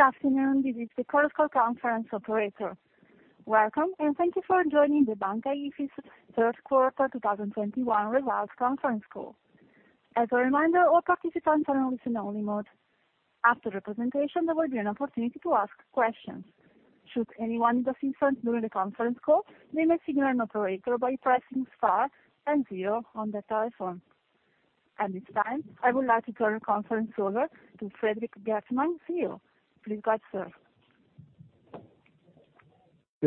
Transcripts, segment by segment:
Good afternoon. This is the protocol conference operator. Welcome, and thank you for joining the Banca Ifis third quarter 2021 results conference call. As a reminder, all participants are in listen only mode. After the presentation, there will be an opportunity to ask questions. Should anyone need assistance during the conference call, they may signal an operator by pressing star and zero on their telephone. At this time, I would like to turn the conference over to Frederik Geertman. CEO, please go ahead, sir. Good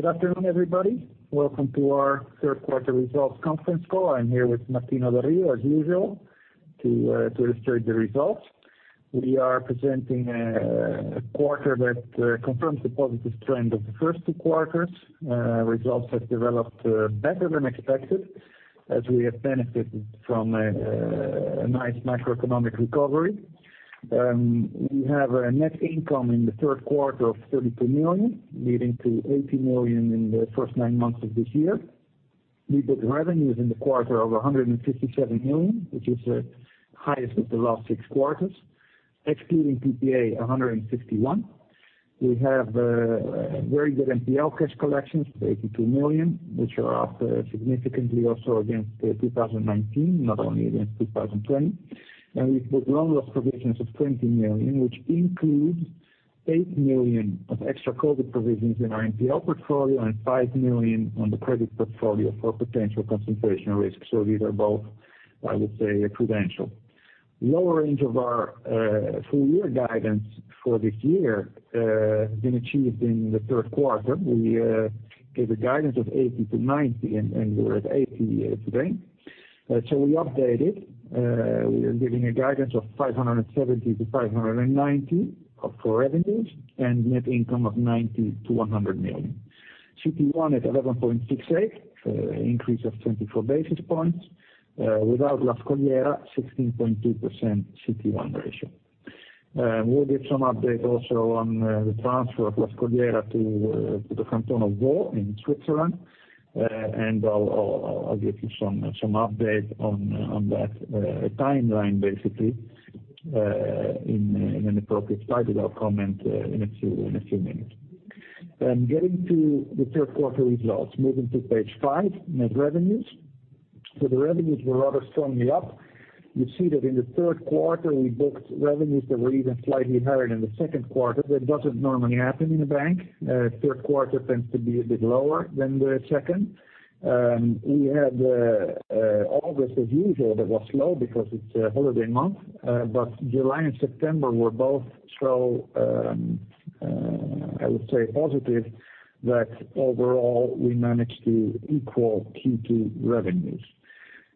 afternoon, everybody. Welcome to our third quarter results conference call. I'm here with Martino Da Rio, as usual, to illustrate the results. We are presenting a quarter that confirms the positive trend of the first two quarters. Results have developed better than expected as we have benefited from a nice macroeconomic recovery. We have a net income in the third quarter of 32 million, leading to 80 million in the first nine months of this year. We booked revenues in the quarter of 157 million, which is the highest of the last six quarters. Excluding PPA, 151 million. We have very good NPL cash collections, 82 million, which are up significantly also against 2019, not only against 2020. We've got loan loss provisions of 20 million, which includes 8 million of extra COVID provisions in our NPL portfolio and 5 million on the credit portfolio for potential concentration risk. These are both, I would say, prudential. Lower range of our full year guidance for this year has been achieved in the third quarter. We gave a guidance of 80 million-90 million, and we're at 80 million today. We updated. We are giving a guidance of 570 million-590 million for revenues and net income of 90 million-100 million. CET1 at 11.68, increase of 24 basis points. Without La Scogliera, 16.2% CET1 ratio. We'll give some update also on the transfer of La Scogliera to the Canton of Vaud in Switzerland. I'll give you some update on that timeline, basically, in an appropriate slide with our comment in a few minutes. Getting to the third quarter results. Moving to page five, net revenues. The revenues were rather strongly up. You see that in the third quarter we booked revenues that were even slightly higher than the second quarter. That doesn't normally happen in a bank. Third quarter tends to be a bit lower than the second. We had August as usual, that was slow because it's a holiday month. July and September were both so, I would say positive that overall we managed to equal Q2 revenues.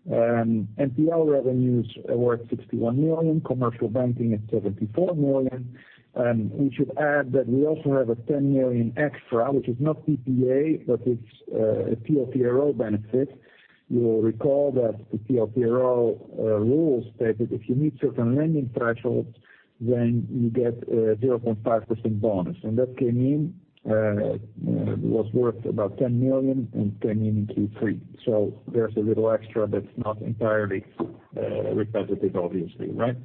NPL revenues were at 61 million, commercial banking at 74 million. We should add that we also have a 10 million extra, which is not PPA, but it's a TLTRO benefit. You will recall that the TLTRO rules stated if you meet certain lending thresholds, then you get a 0.5% bonus. That came in, was worth about 10 million and came in in Q3. There's a little extra that's not entirely repetitive, obviously, right?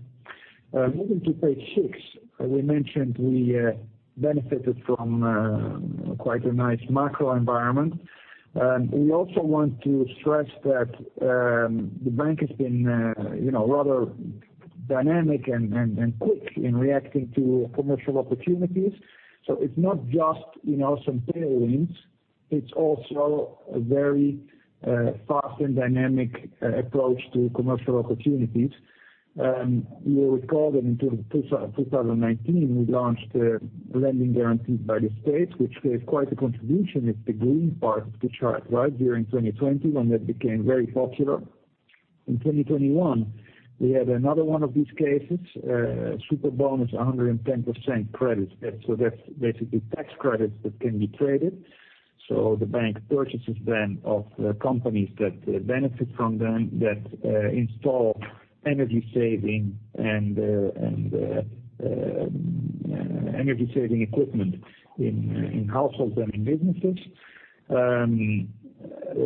Moving to page six. We mentioned we benefited from quite a nice macro environment. We also want to stress that the bank has been, you know, rather dynamic and quick in reacting to commercial opportunities. It's not just, you know, some tailwinds, it's also a very fast and dynamic approach to commercial opportunities. You'll recall that in 2019, we launched lending guarantees by the state, which gave quite a contribution. It's the green part of the chart, right, during 2020 when that became very popular. In 2021, we had another one of these cases, Superbonus, 110% credit. That's basically tax credits that can be traded. The bank purchases them of companies that benefit from them, that install energy saving equipment in households and in businesses.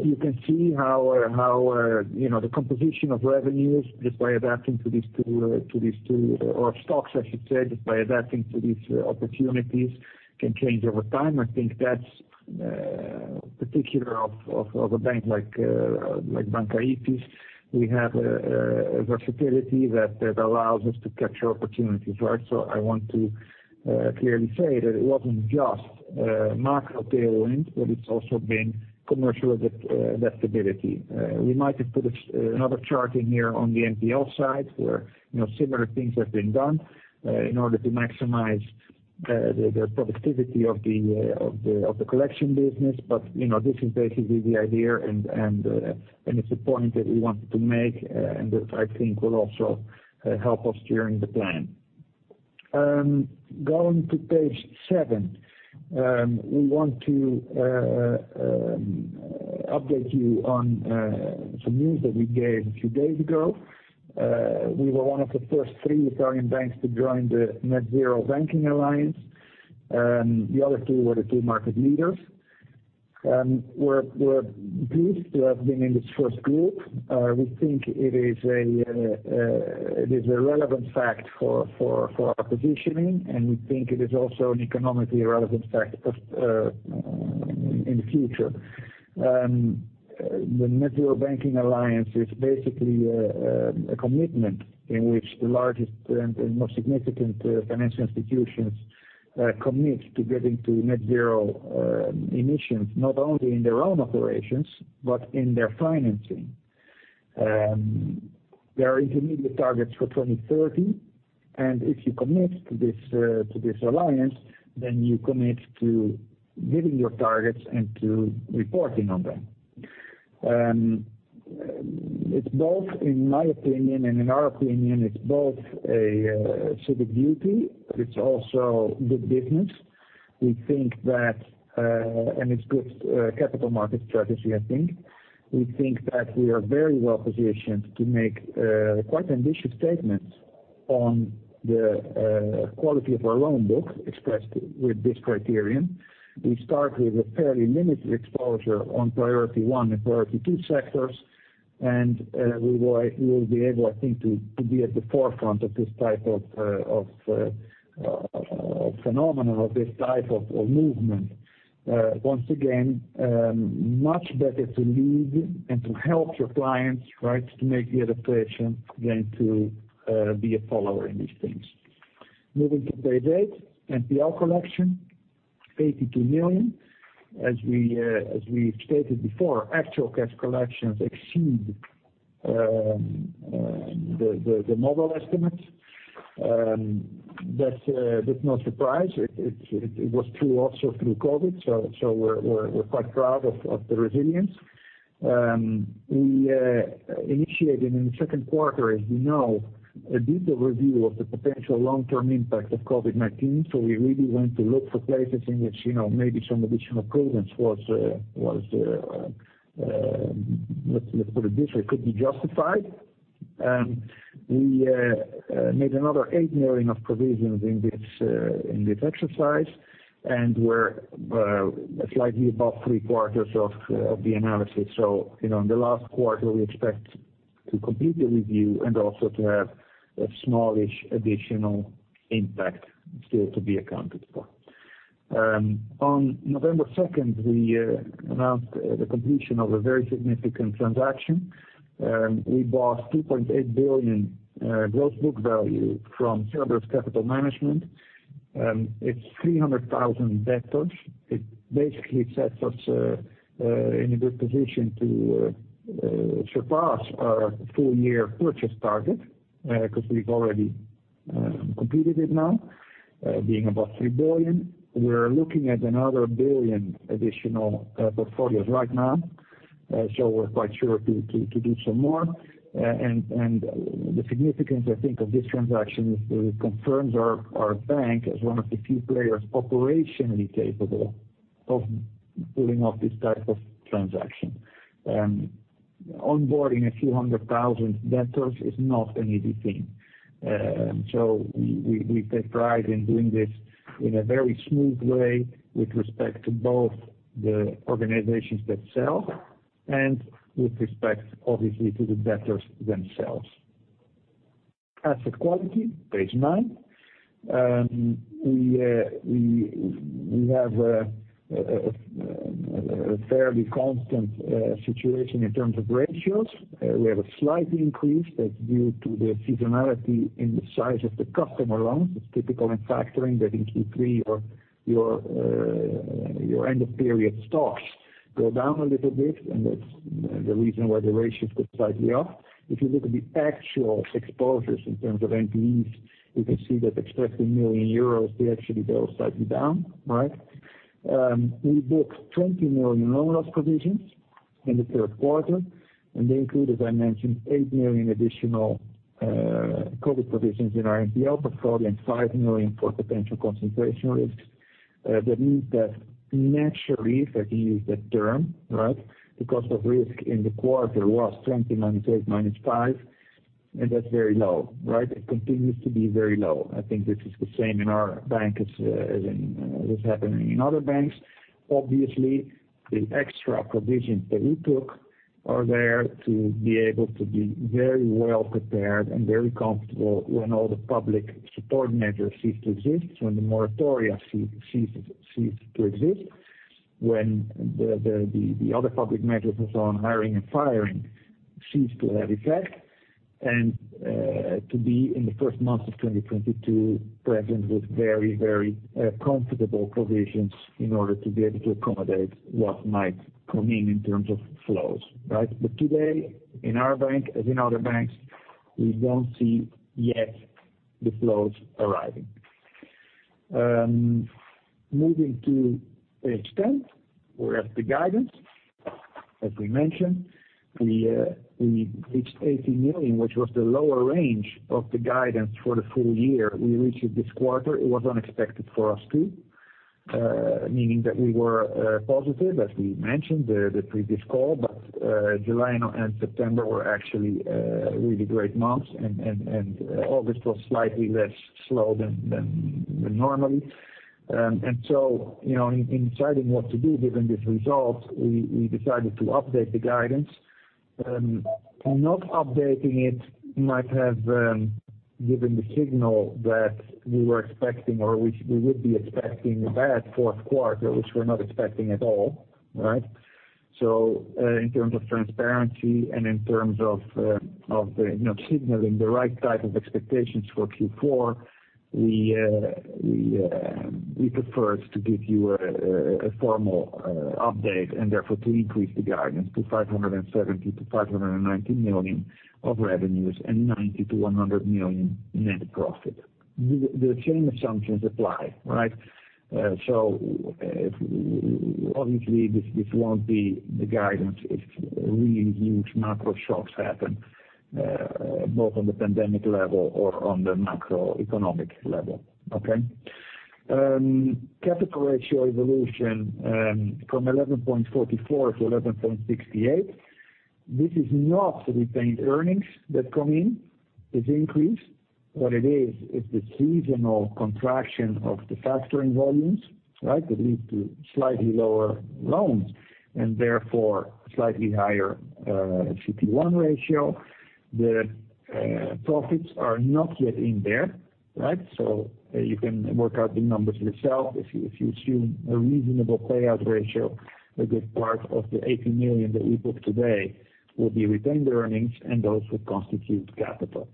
You can see how the composition of revenues just by adapting to these two, or stocks, I should say, just by adapting to these opportunities can change over time. I think that's particular of a bank like Banca Ifis. We have a versatility that allows us to capture opportunities, right? I want to clearly say that it wasn't just macro tailwinds, but it's also been commercial adaptability. We might have put another chart in here on the NPL side where, you know, similar things have been done in order to maximize the productivity of the collection business. You know, this is basically the idea and it's a point that we wanted to make, and that I think will also help us during the plan. Going to page seven. We want to update you on some news that we gave a few days ago. We were one of the first three Italian banks to join the Net-Zero Banking Alliance. The other two were the two market leaders. We're pleased to have been in this first group. We think it is a relevant fact for our positioning, and we think it is also an economically relevant fact of in the future. The Net-Zero Banking Alliance is basically a commitment in which the largest and most significant financial institutions commit to getting to net-zero emissions, not only in their own operations, but in their financing. There are intermediate targets for 2030, and if you commit to this alliance, then you commit to giving your targets and to reporting on them. It's both, in my opinion, and in our opinion, it's both a civil duty, but it's also good business. We think that and it's good capital market strategy, I think. We think that we are very well positioned to make quite ambitious statements on the quality of our loan book expressed with this criterion. We start with a fairly limited exposure on priority one and priority two sectors, and we will be able, I think, to be at the forefront of this type of phenomena, of this type of movement. Once again, much better to lead and to help your clients, right, to make the adaptation than to be a follower in these things. Moving to page eight, NPL collection, 82 million. As we stated before, actual cash collections exceed the model estimate. That's no surprise. It was true also through COVID, so we're quite proud of the resilience. We initiated in the second quarter, as you know, a detailed review of the potential long-term impact of COVID-19, so we really went to look for places in which, you know, maybe some additional prudence was, let's put it this way, could be justified. We made another 8 million of provisions in this exercise, and we're slightly above three-quarters of the analysis. You know, in the last quarter, we expect to complete the review and also to have a smallish additional impact still to be accounted for. On November second, we announced the completion of a very significant transaction. We bought 2.8 billion gross book value from Cerberus Capital Management. It's 300,000 debtors. It basically sets us in a good position to surpass our full year purchase target, 'cause we've already completed it now, being about 3 billion. We're looking at another 1 billion additional portfolios right now, so we're quite sure to do some more. The significance, I think, of this transaction is it confirms our bank as one of the few players operationally capable of pulling off this type of transaction. Onboarding a few hundred thousand debtors is not an easy thing. We take pride in doing this in a very smooth way with respect to both the organizations that sell and with respect, obviously, to the debtors themselves. Asset quality, page nine. We have a fairly constant situation in terms of ratios. We have a slight increase. That's due to the seasonality in the size of the customer loans. It's typical in factoring that in Q3 your end of period stocks go down a little bit, and that's the reason why the ratios go slightly up. If you look at the actual exposures in terms of NPEs, you can see that except for 1 million euros, they actually go slightly down, right? We booked 20 million loan loss provisions in the third quarter, and they include, as I mentioned, 8 million additional COVID provisions in our NPL portfolio and 5 million for potential concentration risks. That means that naturally, if I can use that term, right, the cost of risk in the quarter was 20 - 8 - 5, and that's very low, right? It continues to be very low. I think this is the same in our bank as in what's happening in other banks. Obviously, the extra provisions that we took are there to be able to be very well prepared and very comfortable when all the public support measures cease to exist, when the moratoria ceases to exist, when the other public measures on hiring and firing cease to have effect, and to be in the first months of 2022 present with very comfortable provisions in order to be able to accommodate what might come in terms of flows, right? Today, in our bank, as in other banks, we don't see yet the flows arriving. Moving to page 10, we're at the guidance. As we mentioned, we reached 80 million, which was the lower range of the guidance for the full year. We reached it this quarter. It was unexpected for us, too, meaning that we were positive, as we mentioned the previous call. July and September were actually really great months and August was slightly less slow than normally. You know, in deciding what to do given this result, we decided to update the guidance. Not updating it might have given the signal that we were expecting or which we would be expecting a bad fourth quarter, which we're not expecting at all, right? In terms of transparency and in terms of, you know, signaling the right type of expectations for Q4, we preferred to give you a formal update and therefore to increase the guidance to 570 million-590 million of revenues and 90 million-100 million net profit. The same assumptions apply, right? Obviously, this won't be the guidance if really huge macro shocks happen, both on the pandemic level or on the macroeconomic level, okay? Capital ratio evolution from 11.44-11.68. This is not the retained earnings that come in, this increase. What it is the seasonal contraction of the factoring volumes, right, that lead to slightly lower loans and therefore slightly higher CET1 ratio. The profits are not yet in there, right? You can work out the numbers yourself. If you assume a reasonable payout ratio, a good part of the 80 million that we book today will be retained earnings and those would constitute capital.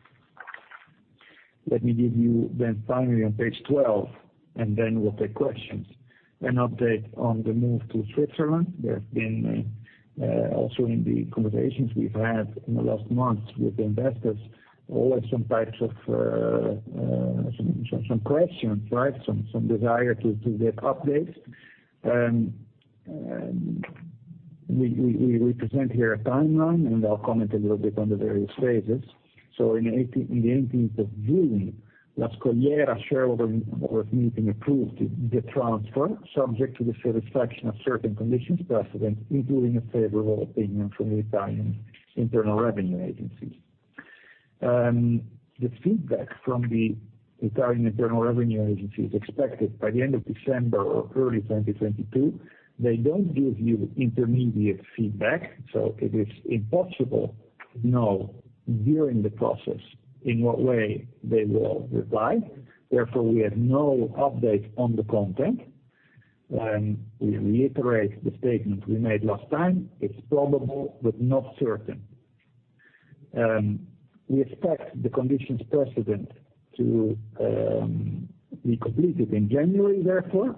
Let me give you finally on page 12 an update on the move to Switzerland, and then we'll take questions. There have been also in the conversations we've had in the last month with investors, always some types of questions, right? Some desire to get updates. We present here a timeline, and I'll comment a little bit on the various phases. In the eighteenth of June, La Scogliera shareholders meeting approved the transfer subject to the satisfaction of certain conditions precedent, including a favorable opinion from the Italian Revenue Agency. The feedback from the Italian Revenue Agency is expected by the end of December or early 2022. They don't give you intermediate feedback, so it is impossible to know during the process in what way they will reply. Therefore, we have no update on the content. We reiterate the statement we made last time. It's probable, but not certain. We expect the conditions precedent to be completed in January, therefore,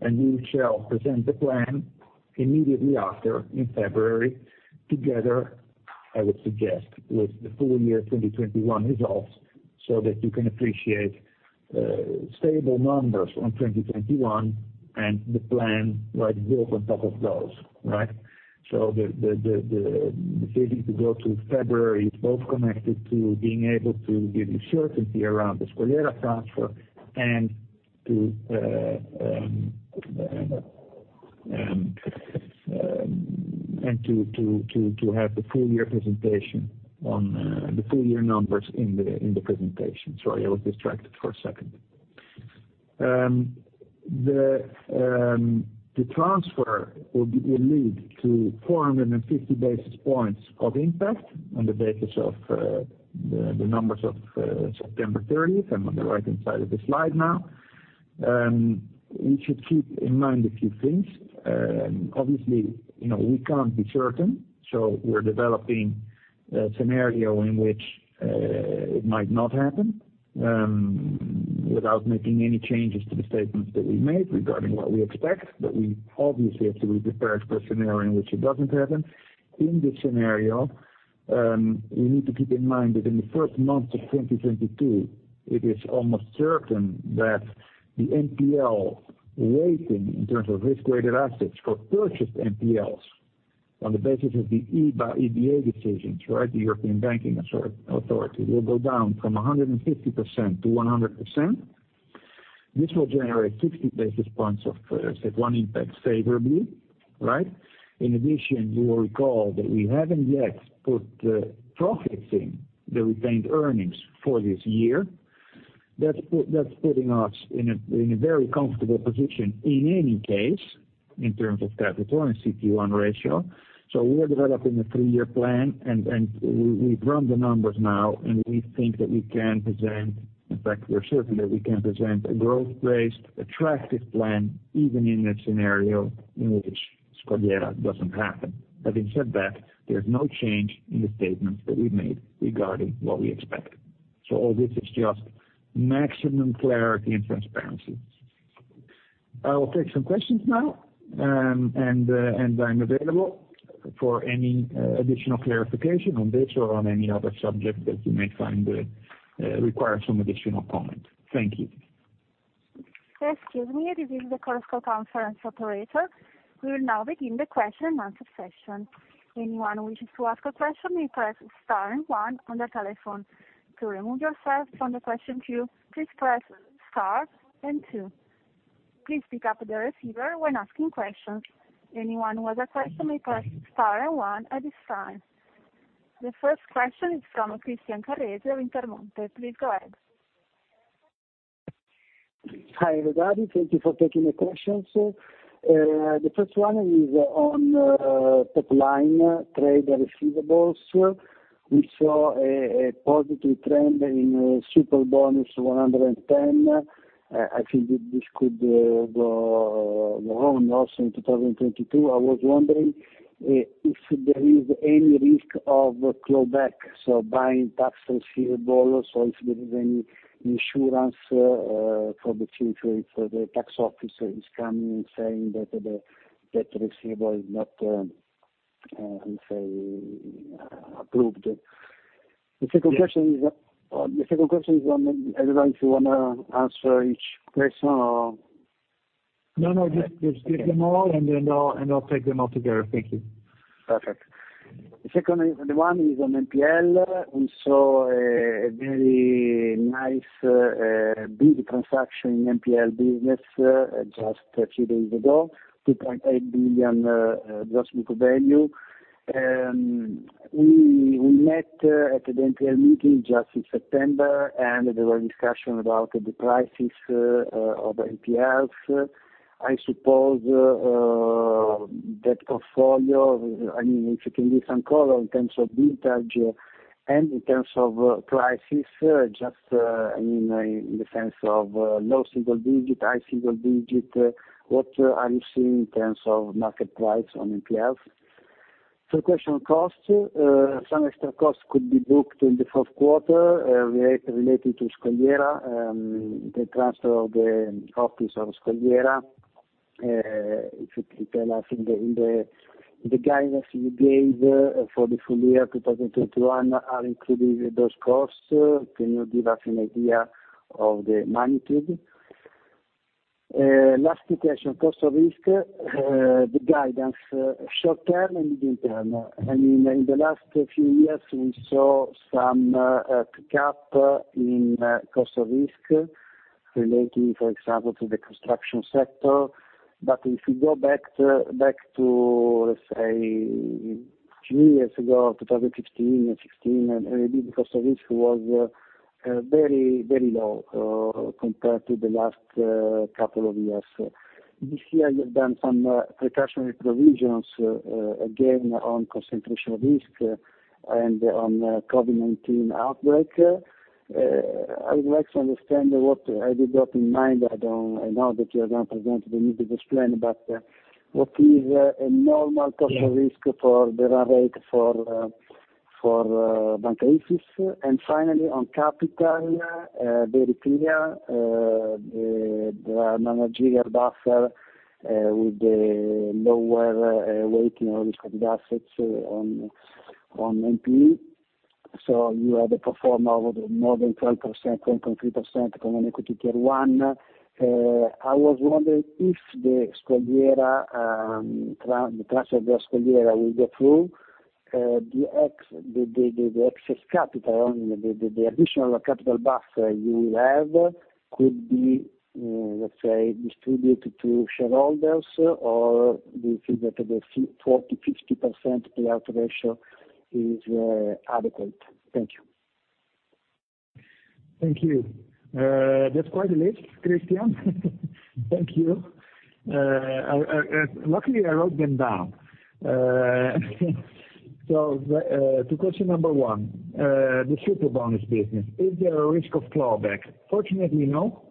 and we shall present the plan immediately after in February together, I would suggest, with the full year 2021 results, so that you can appreciate stable numbers on 2021 and the plan, right, built on top of those, right? The decision to go to February is both connected to being able to give you certainty around the Scogliera transfer and to have the full year presentation on the full year numbers in the presentation. Sorry, I was distracted for a second. The transfer will lead to 450 basis points of impact on the basis of the numbers of September thirtieth. I'm on the right-hand side of the slide now. We should keep in mind a few things. Obviously, you know, we can't be certain, so we're developing a scenario in which it might not happen without making any changes to the statements that we made regarding what we expect, but we obviously have to be prepared for a scenario in which it doesn't happen. In this scenario, you need to keep in mind that in the first months of 2022, it is almost certain that the NPL rating in terms of risk-weighted assets for purchased NPLs on the basis of the EBA decisions, right, the European Banking Authority, will go down from 150% to 100%. This will generate 60 basis points of CET1 impact favorably, right? In addition, you will recall that we haven't yet put the profits in the retained earnings for this year. That's putting us in a very comfortable position in any case, in terms of capital and CET1 ratio. We're developing a three-year plan and we've run the numbers now, and we think that we can present. In fact, we're certain that we can present a growth-based, attractive plan, even in a scenario in which La Scogliera doesn't happen. Having said that, there's no change in the statements that we've made regarding what we expect. All this is just maximum clarity and transparency. I will take some questions now, and I'm available for any additional clarification on this or on any other subject that you may find require some additional comment. Thank you. Excuse me. This is the Chorus Call conference operator. We will now begin the question and answer session. Anyone who wishes to ask a question may press star and one on the telephone. To remove yourself from the question queue, please press star and two. Please pick up the receiver when asking questions. Anyone who has a question may press star and one at this time. The first question is from Christian Carello, Intermonte. Please go ahead. Hi, everybody. Thank you for taking the questions. The first one is on top line trade receivables. We saw a positive trend in Superbonus 110. I think that this could go on also in 2022. I was wondering if there is any risk of clawback, so buying tax receivables or if there is any insurance for the future if the tax office is coming and saying that that receivable is not how you say approved. The second question is- Yes. The second question is on. I don't know if you wanna answer each question or. No, no. Just give them all, and then I'll take them all together. Thank you. Perfect. The second one is on NPL. We saw a very nice big transaction in NPL business just a few days ago, 2.8 billion gross book value. We met at an NPL meeting just in September, and there were discussion about the prices of NPLs. I suppose that portfolio, I mean, if you can give some color in terms of vintage and in terms of prices, just I mean, in the sense of low single digit, high single digit. What are you seeing in terms of market price on NPLs? Third question, costs. Some extra costs could be booked in the fourth quarter related to La Scogliera, the transfer of the office of La Scogliera. If you could tell us in the guidance you gave for the full year 2021 are included those costs. Can you give us an idea of the magnitude? Last two questions, cost of risk, the guidance short term and medium term. I mean, in the last few years we saw some pick up in cost of risk relating, for example, to the construction sector. If you go back to, let's say, few years ago, 2015 and 2016, maybe the cost of risk was very low compared to the last couple of years. This year, you've done some precautionary provisions again, on concentration of risk and on COVID-19 outbreak. I would like to understand what you have got in mind. I don't. I know that you are going to present, you need to explain, but what is a normal cost of risk for the run rate for Banca Ifis? And finally, on capital, very clear, the managerial buffer with the lower weight in risk of assets on NPE. So you have a pro forma of more than 12%, 12.3% Common Equity Tier 1. I was wondering if the transfer of La Scogliera will go through, the excess capital, I mean, the additional capital buffer you will have could be, let's say, distributed to shareholders or do you think that the 40%-50% payout ratio is adequate? Thank you. Thank you. That's quite a list, Christian. Thank you. Luckily I wrote them down. To question number one, the Superbonus business. Is there a risk of clawback? Fortunately, no,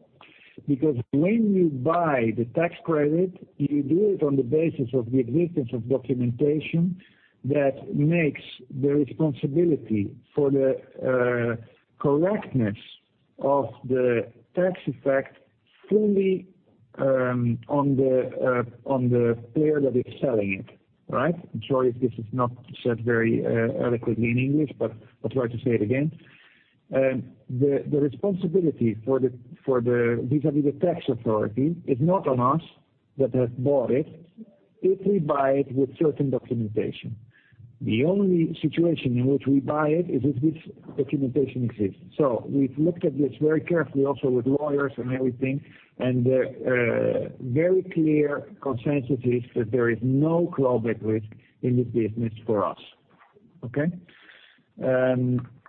because when you buy the tax credit, you do it on the basis of the existence of documentation that makes the responsibility for the correctness of the tax effect fully on the player that is selling it, right? I'm sorry if this is not said very eloquently in English, but I'll try to say it again. The responsibility vis-à-vis the tax authority is not on us that has bought it, if we buy it with certain documentation. The only situation in which we buy it is if this documentation exists. We've looked at this very carefully also with lawyers and everything, and the very clear consensus is that there is no clawback risk in this business for us. Okay?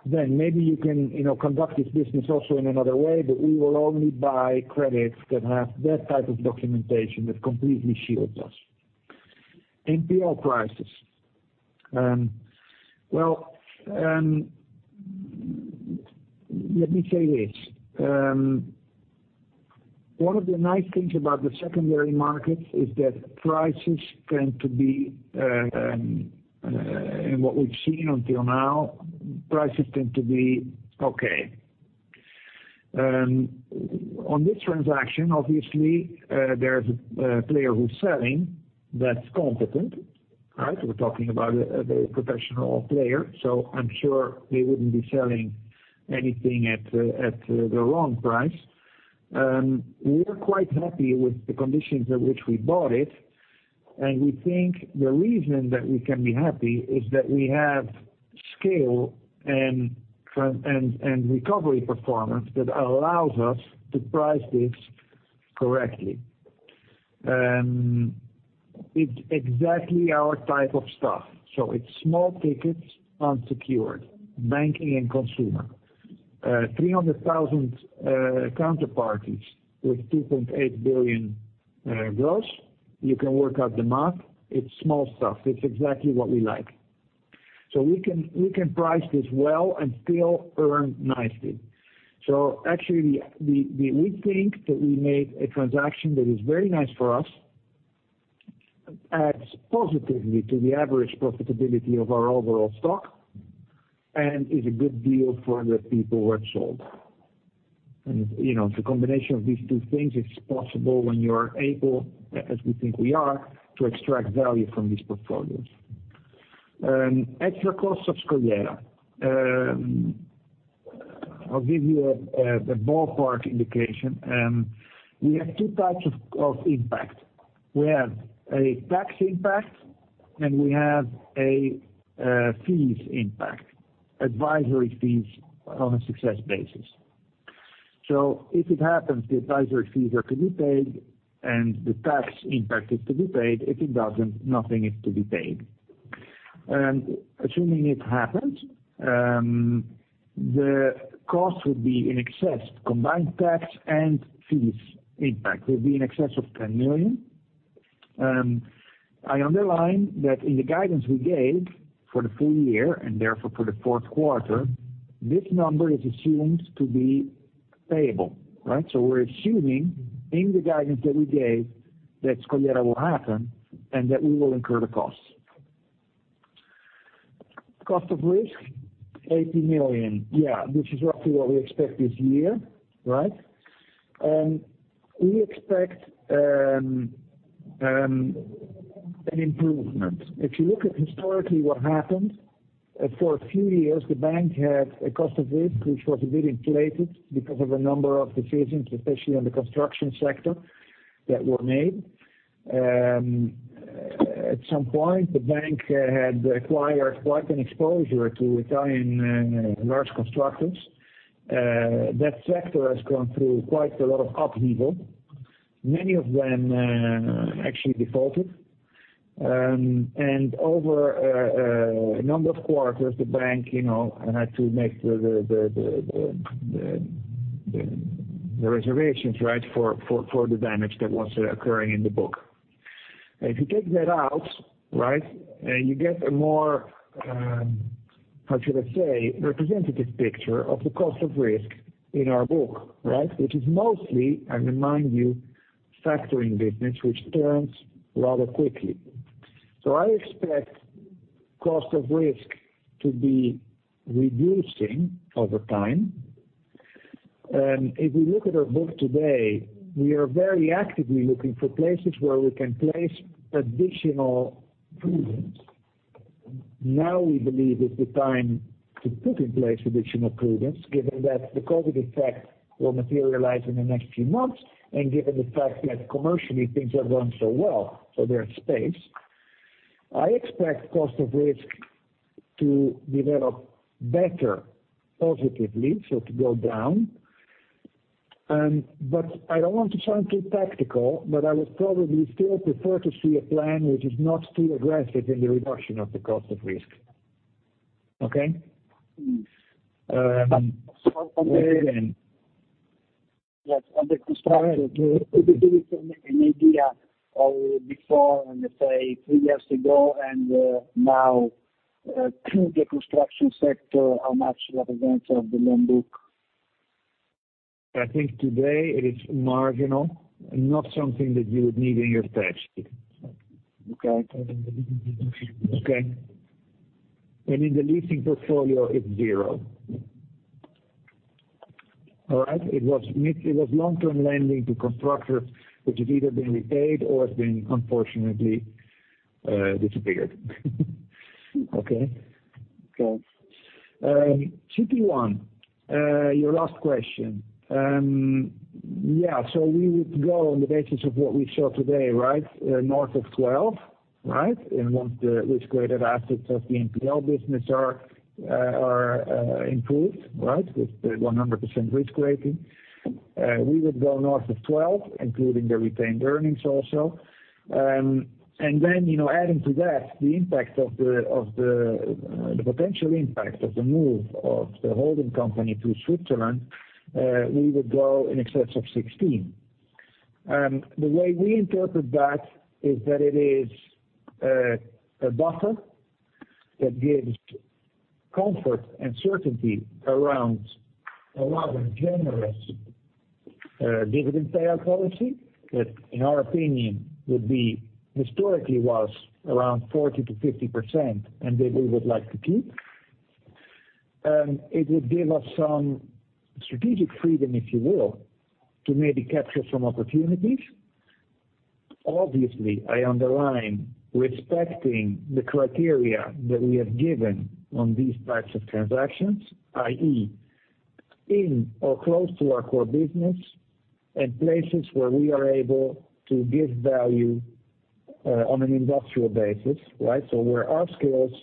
Then maybe you can, you know, conduct this business also in another way, but we will only buy credits that have that type of documentation that completely shields us. NPL prices. Well, let me say this. One of the nice things about the secondary markets is that prices tend to be, and what we've seen until now, prices tend to be okay. On this transaction, obviously, there's a player who's selling that's competent, right? We're talking about the professional player, so I'm sure they wouldn't be selling anything at the wrong price. We're quite happy with the conditions at which we bought it, and we think the reason that we can be happy is that we have scale and recovery performance that allows us to price this correctly. It's exactly our type of stuff. It's small tickets, unsecured, banking and consumer. 300,000 counterparties with 2.8 billion gross. You can work out the math. It's small stuff. It's exactly what we like. We can price this well and still earn nicely. Actually, we think that we made a transaction that is very nice for us, adds positively to the average profitability of our overall stock, and is a good deal for the people who have sold. You know, the combination of these two things is possible when you're able, as we think we are, to extract value from these portfolios. Extra cost of La Scogliera. I'll give you the ballpark indication. We have two types of impact. We have a tax impact, and we have a fees impact, advisory fees on a success basis. If it happens, the advisory fees are to be paid and the tax impact is to be paid. If it doesn't, nothing is to be paid. Assuming it happens, the cost would be in excess. Combined tax and fees impact will be in excess of 10 million. I underline that in the guidance we gave for the full year, and therefore for the fourth quarter, this number is assumed to be payable, right? We're assuming in the guidance that we gave that La Scogliera will happen and that we will incur the costs. Cost of risk 80 million, yeah, which is roughly what we expect this year, right? We expect an improvement. If you look at what happened historically, for a few years, the bank had a cost of risk which was a bit inflated because of a number of decisions, especially in the construction sector, that were made. At some point, the bank had acquired quite an exposure to Italian large constructors. That sector has gone through quite a lot of upheaval. Many of them actually defaulted. Over a number of quarters, the bank you know had to make the reservations, right, for the damage that was occurring in the book. If you take that out, right, you get a more, how should I say, representative picture of the cost of risk in our book, right? Which is mostly, I remind you, factoring business, which turns rather quickly. I expect cost of risk to be reducing over time. If we look at our book today, we are very actively looking for places where we can place additional prudence. Now we believe is the time to put in place additional prudence, given that the COVID effect will materialize in the next few months, and given the fact that commercially things are going so well, so there's space. I expect cost of risk to develop better positively, so to go down. I don't want to sound too tactical, but I would probably still prefer to see a plan which is not too aggressive in the reduction of the cost of risk. Okay? But- Go ahead. Yes. On the construction, could you give us an idea of before, let's say, three years ago and, now, to the construction sector, how much represents of the loan book? I think today it is marginal, not something that you would need in your spreadsheet. Okay. Okay. In the leasing portfolio, it's zero. All right. It was long-term lending to constructors, which has either been repaid or has been, unfortunately, disfigured. Okay. Okay. CP one, your last question. Yeah, we would go on the basis of what we show today, right, north of 12, right, and once the risk-weighted assets of the NPL business are improved, right, with the 100% risk weighting. We would go north of 12, including the retained earnings also. You know, adding to that, the impact of the potential impact of the move of the holding company to Switzerland, we would go in excess of 16. The way we interpret that is that it is a buffer that gives comfort and certainty around a rather generous dividend payout policy that, in our opinion, would be, historically was around 40%-50%, and that we would like to keep. It would give us some strategic freedom, if you will, to maybe capture some opportunities. Obviously, I underline respecting the criteria that we have given on these types of transactions, i.e., in or close to our core business and places where we are able to give value, on an industrial basis, right? So where our skills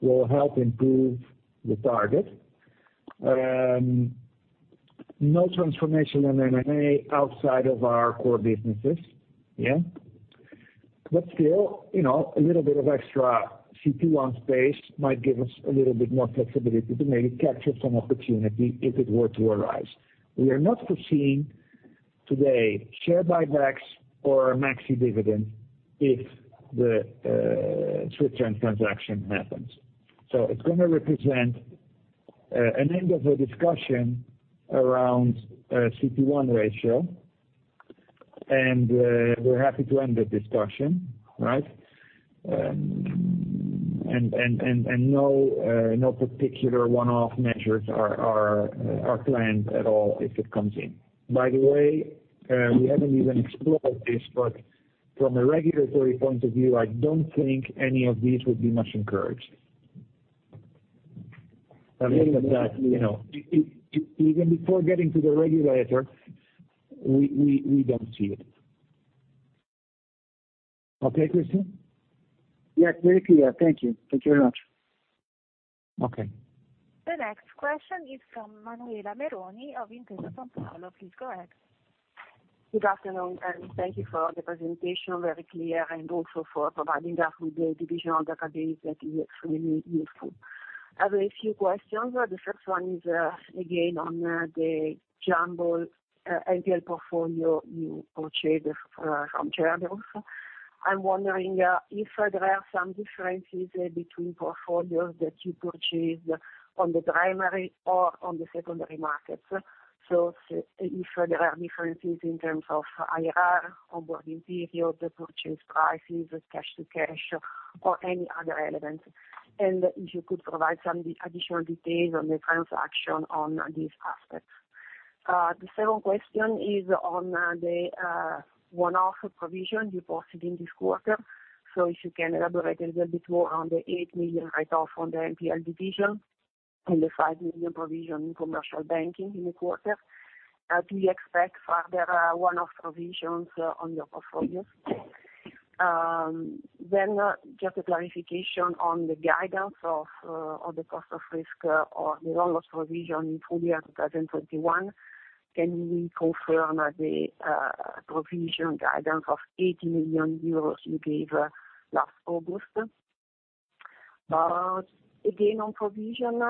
will help improve the target. No transformation in M&A outside of our core businesses. Yeah. Still, you know, a little bit of extra CET1 space might give us a little bit more flexibility to maybe capture some opportunity if it were to arise. We are not foreseeing today share buybacks or a maxi dividend if the Swiss transfer transaction happens. It's gonna represent an end of a discussion around CET1 ratio, and we're happy to end the discussion, right? No particular one-off measures are planned at all if it comes in. By the way, we haven't even explored this, but from a regulatory point of view, I don't think any of these would be much encouraged. I mean, that, you know, even before getting to the regulator, we don't see it. Okay, Christian? Yes, very clear. Thank you. Thank you very much. Okay. The next question is from Manuela Meroni of Intesa Sanpaolo. Please go ahead. Good afternoon, and thank you for the presentation, very clear, and also for providing us with the divisional database that is extremely useful. I've a few questions. The first one is, again, on the Cerberus NPL portfolio you purchased from Cerberus. I'm wondering, if there are some differences between portfolios that you purchased on the primary or on the secondary markets. If there are differences in terms of IRR, onboarding period, the purchase prices, cash to cash or any other elements. And if you could provide some additional details on the transaction on these aspects. The second question is on the one-off provision you posted in this quarter. If you can elaborate a little bit more on the 8 million write-off on the NPL division and the 5 million provision in commercial banking in the quarter. Do you expect further one-off provisions on your portfolios? Just a clarification on the guidance on the cost of risk or the loan loss provision in full year 2021. Can you confirm the provision guidance of 80 million euros you gave last August? Again, on provision,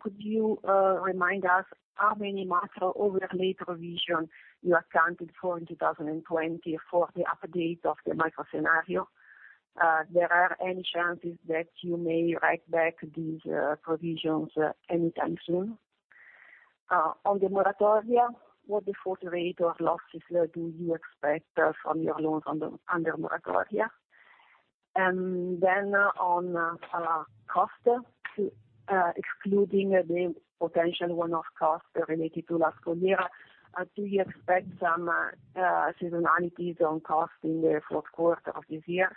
could you remind us how many macro overlay provision you accounted for in 2020 for the update of the macro scenario? Are there any chances that you may write back these provisions anytime soon? On the moratoria, what default rate or losses do you expect from your loans under moratoria? On cost, excluding the potential one-off costs related to last full year, do you expect some seasonalities on cost in the fourth quarter of this year?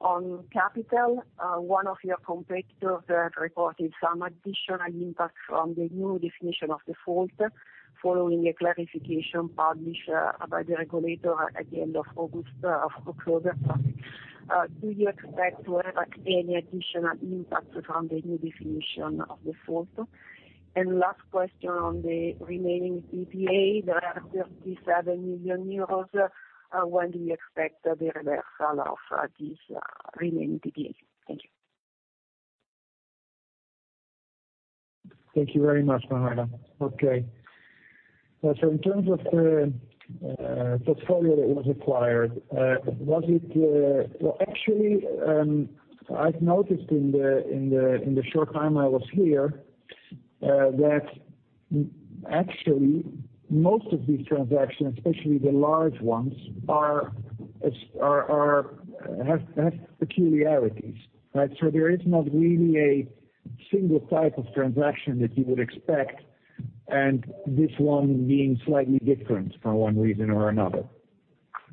On capital, one of your competitors have reported some additional impact from the new Definition of Default following a clarification published by the regulator at the end of August or October. Do you expect to have any additional impact from the new Definition of Default? Last question on the remaining PPA, there are 37 million euros. When do you expect the reversal of this remaining PPA? Thank you. Thank you very much, Manuela. Okay. In terms of the portfolio that was acquired. Well, actually, I've noticed in the short time I was here that actually most of these transactions, especially the large ones, have peculiarities, right? There is not really a single type of transaction that you would expect, and this one being slightly different for one reason or another.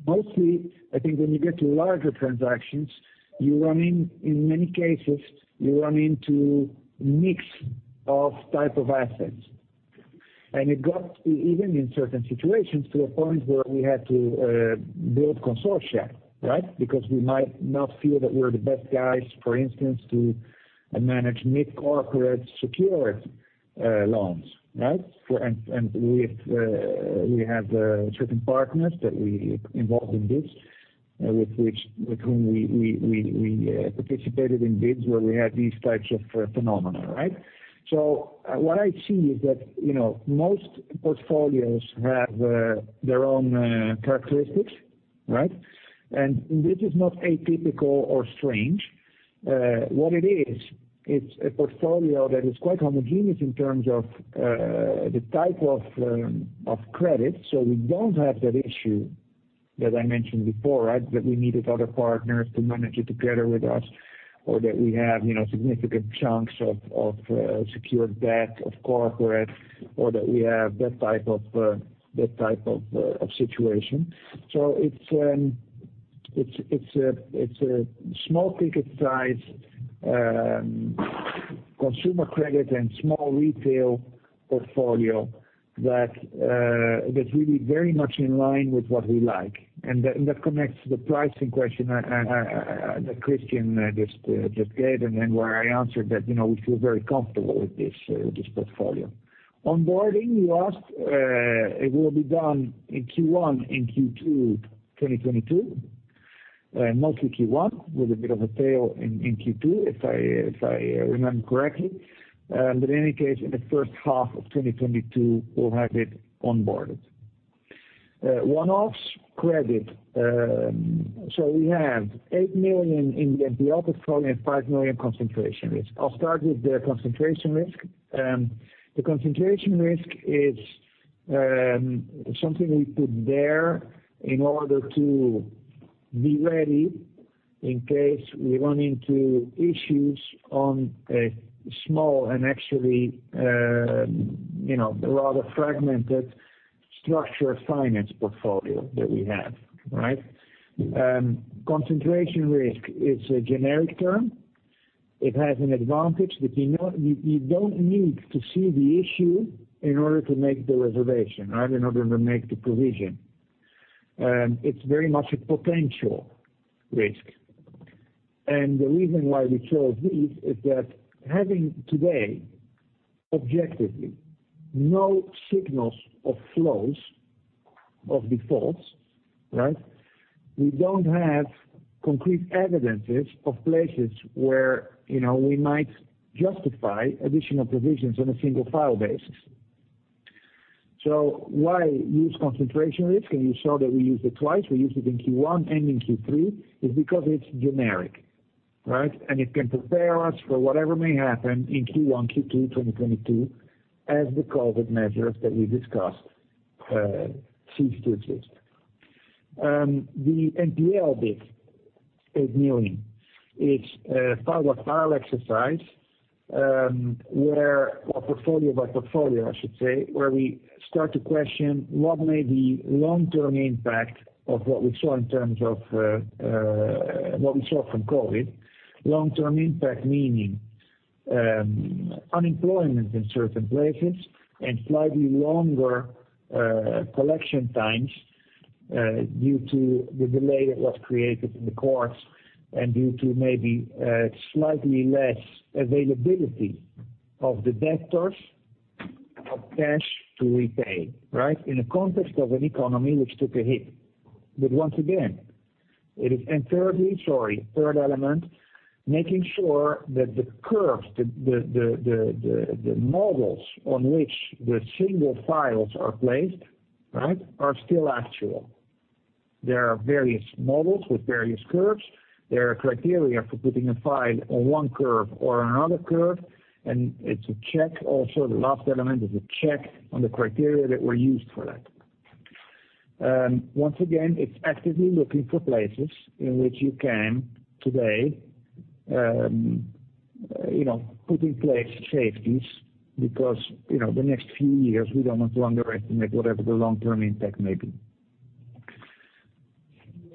Mostly, I think when you get to larger transactions, in many cases you run into a mix of types of assets. It got even in certain situations to a point where we had to build consortia, right? Because we might not feel that we're the best guys, for instance, to manage mid-corporate secured loans, right? For... with certain partners that we involve in this, with which, with whom we participated in bids where we had these types of phenomena, right? What I see is that, you know, most portfolios have their own characteristics, right? This is not atypical or strange. What it is, it's a portfolio that is quite homogeneous in terms of the type of credit. We don't have that issue that I mentioned before, right? That we needed other partners to manage it together with us or that we have, you know, significant chunks of secured debt of corporate or that we have that type of situation. It's a small ticket size consumer credit and small retail portfolio that's really very much in line with what we like. That connects to the pricing question that Christian just did, and then where I answered that, you know, we feel very comfortable with this portfolio. Onboarding, you asked. It will be done in Q1 and Q2, 2022. Mostly Q1 with a bit of a tail in Q2, if I remember correctly. But in any case, in the first half of 2022, we'll have it onboarded. One-offs credit, so we have 8 million in the NPL portfolio, 5 million concentration risk. I'll start with the concentration risk. The concentration risk is something we put there in order to be ready in case we run into issues on a small and actually, you know, rather fragmented structured finance portfolio that we have, right? Concentration risk is a generic term. It has an advantage that you know you don't need to see the issue in order to make the reservation, right, in order to make the provision. It's very much a potential risk. The reason why we chose this is that having today, objectively, no signals of flows of defaults, right? We don't have concrete evidences of places where, you know, we might justify additional provisions on a single file basis. Why use concentration risk? You saw that we used it twice. We used it in Q1 and in Q3, is because it's generic, right? It can prepare us for whatever may happen in Q1, Q2, 2022 as the COVID measures that we discussed cease to exist. The NPL bit, EUR 8 million. It's a file by file exercise, or portfolio by portfolio, I should say, where we start to question what may be long-term impact of what we saw in terms of what we saw from COVID. Long-term impact meaning unemployment in certain places and slightly longer collection times due to the delay that was created in the courts and due to maybe slightly less availability of the debtors' cash to repay, right? In the context of an economy which took a hit. Once again, it is. Thirdly, sorry, third element, making sure that the curves, the models on which the single files are placed, right, are still actual. There are various models with various curves. There are criteria for putting a file on one curve or another curve, and it's a check also. The last element is a check on the criteria that were used for that. Once again, it's actively looking for places in which you can today, you know, put in place safeties because, you know, the next few years we don't want to underestimate whatever the long-term impact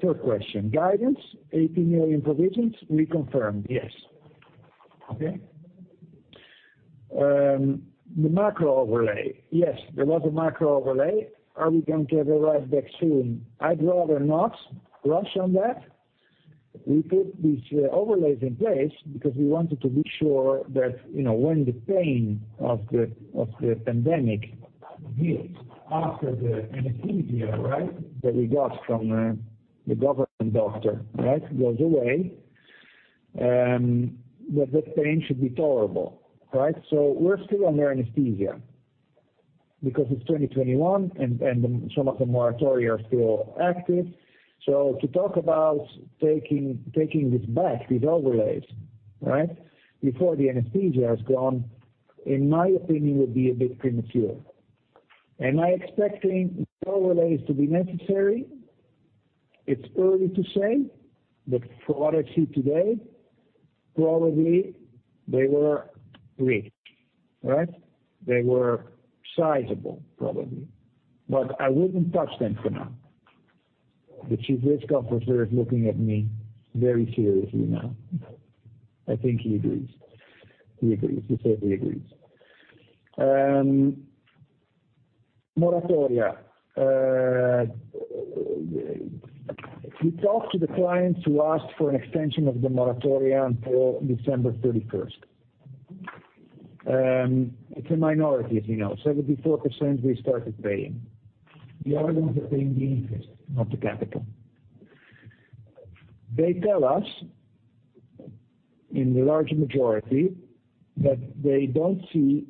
may be. Third question, guidance, 18 million provisions. We confirmed, yes. Okay? The macro overlay. Yes, there was a macro overlay. Are we going to have a writeback soon? I'd rather not rush on that. We put these overlays in place because we wanted to be sure that, you know, when the pain of the pandemic heals after the anesthesia, right, that we got from the government doctor, right, goes away, that the pain should be tolerable, right? We're still under anesthesia because it's 2021 and some of the moratoria are still active. To talk about taking this back, these overlays, right, before the anesthesia has gone, in my opinion, would be a bit premature. Am I expecting the overlays to be necessary? It's early to say, but for what I see today, probably they were big, right? They were sizable, probably. But I wouldn't touch them for now. The Chief Risk Officer is looking at me very seriously now. I think he agrees. He certainly agrees. moratoria. If you talk to the clients who asked for an extension of the moratoria until December 31, it's a minority, as you know. 74% restarted paying. The others are paying the interest, not the capital. They tell us, in the large majority, that they don't see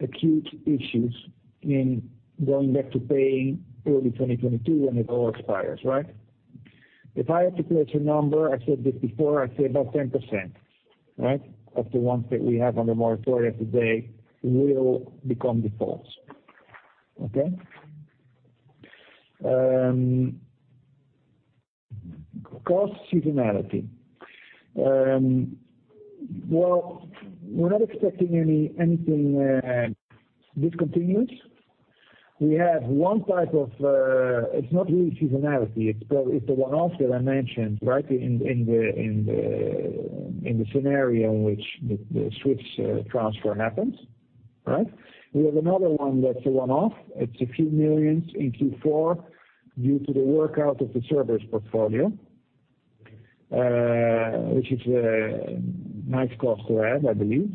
acute issues in going back to paying early 2022 when it all expires, right? If I had to place a number, I said this before, I'd say about 10%, right, of the ones that we have on the moratoria today will become defaults. Okay? Cost seasonality. Well, we're not expecting anything discontinuous. We have one type of, it's not really seasonality, it's the one-off that I mentioned, right, in the scenario in which the Swiss transfer happens, right? We have another one that's a one-off. It's a few million EUR in Q4 due to the workout of the Cerberus portfolio, which is a nice cost to have, I believe.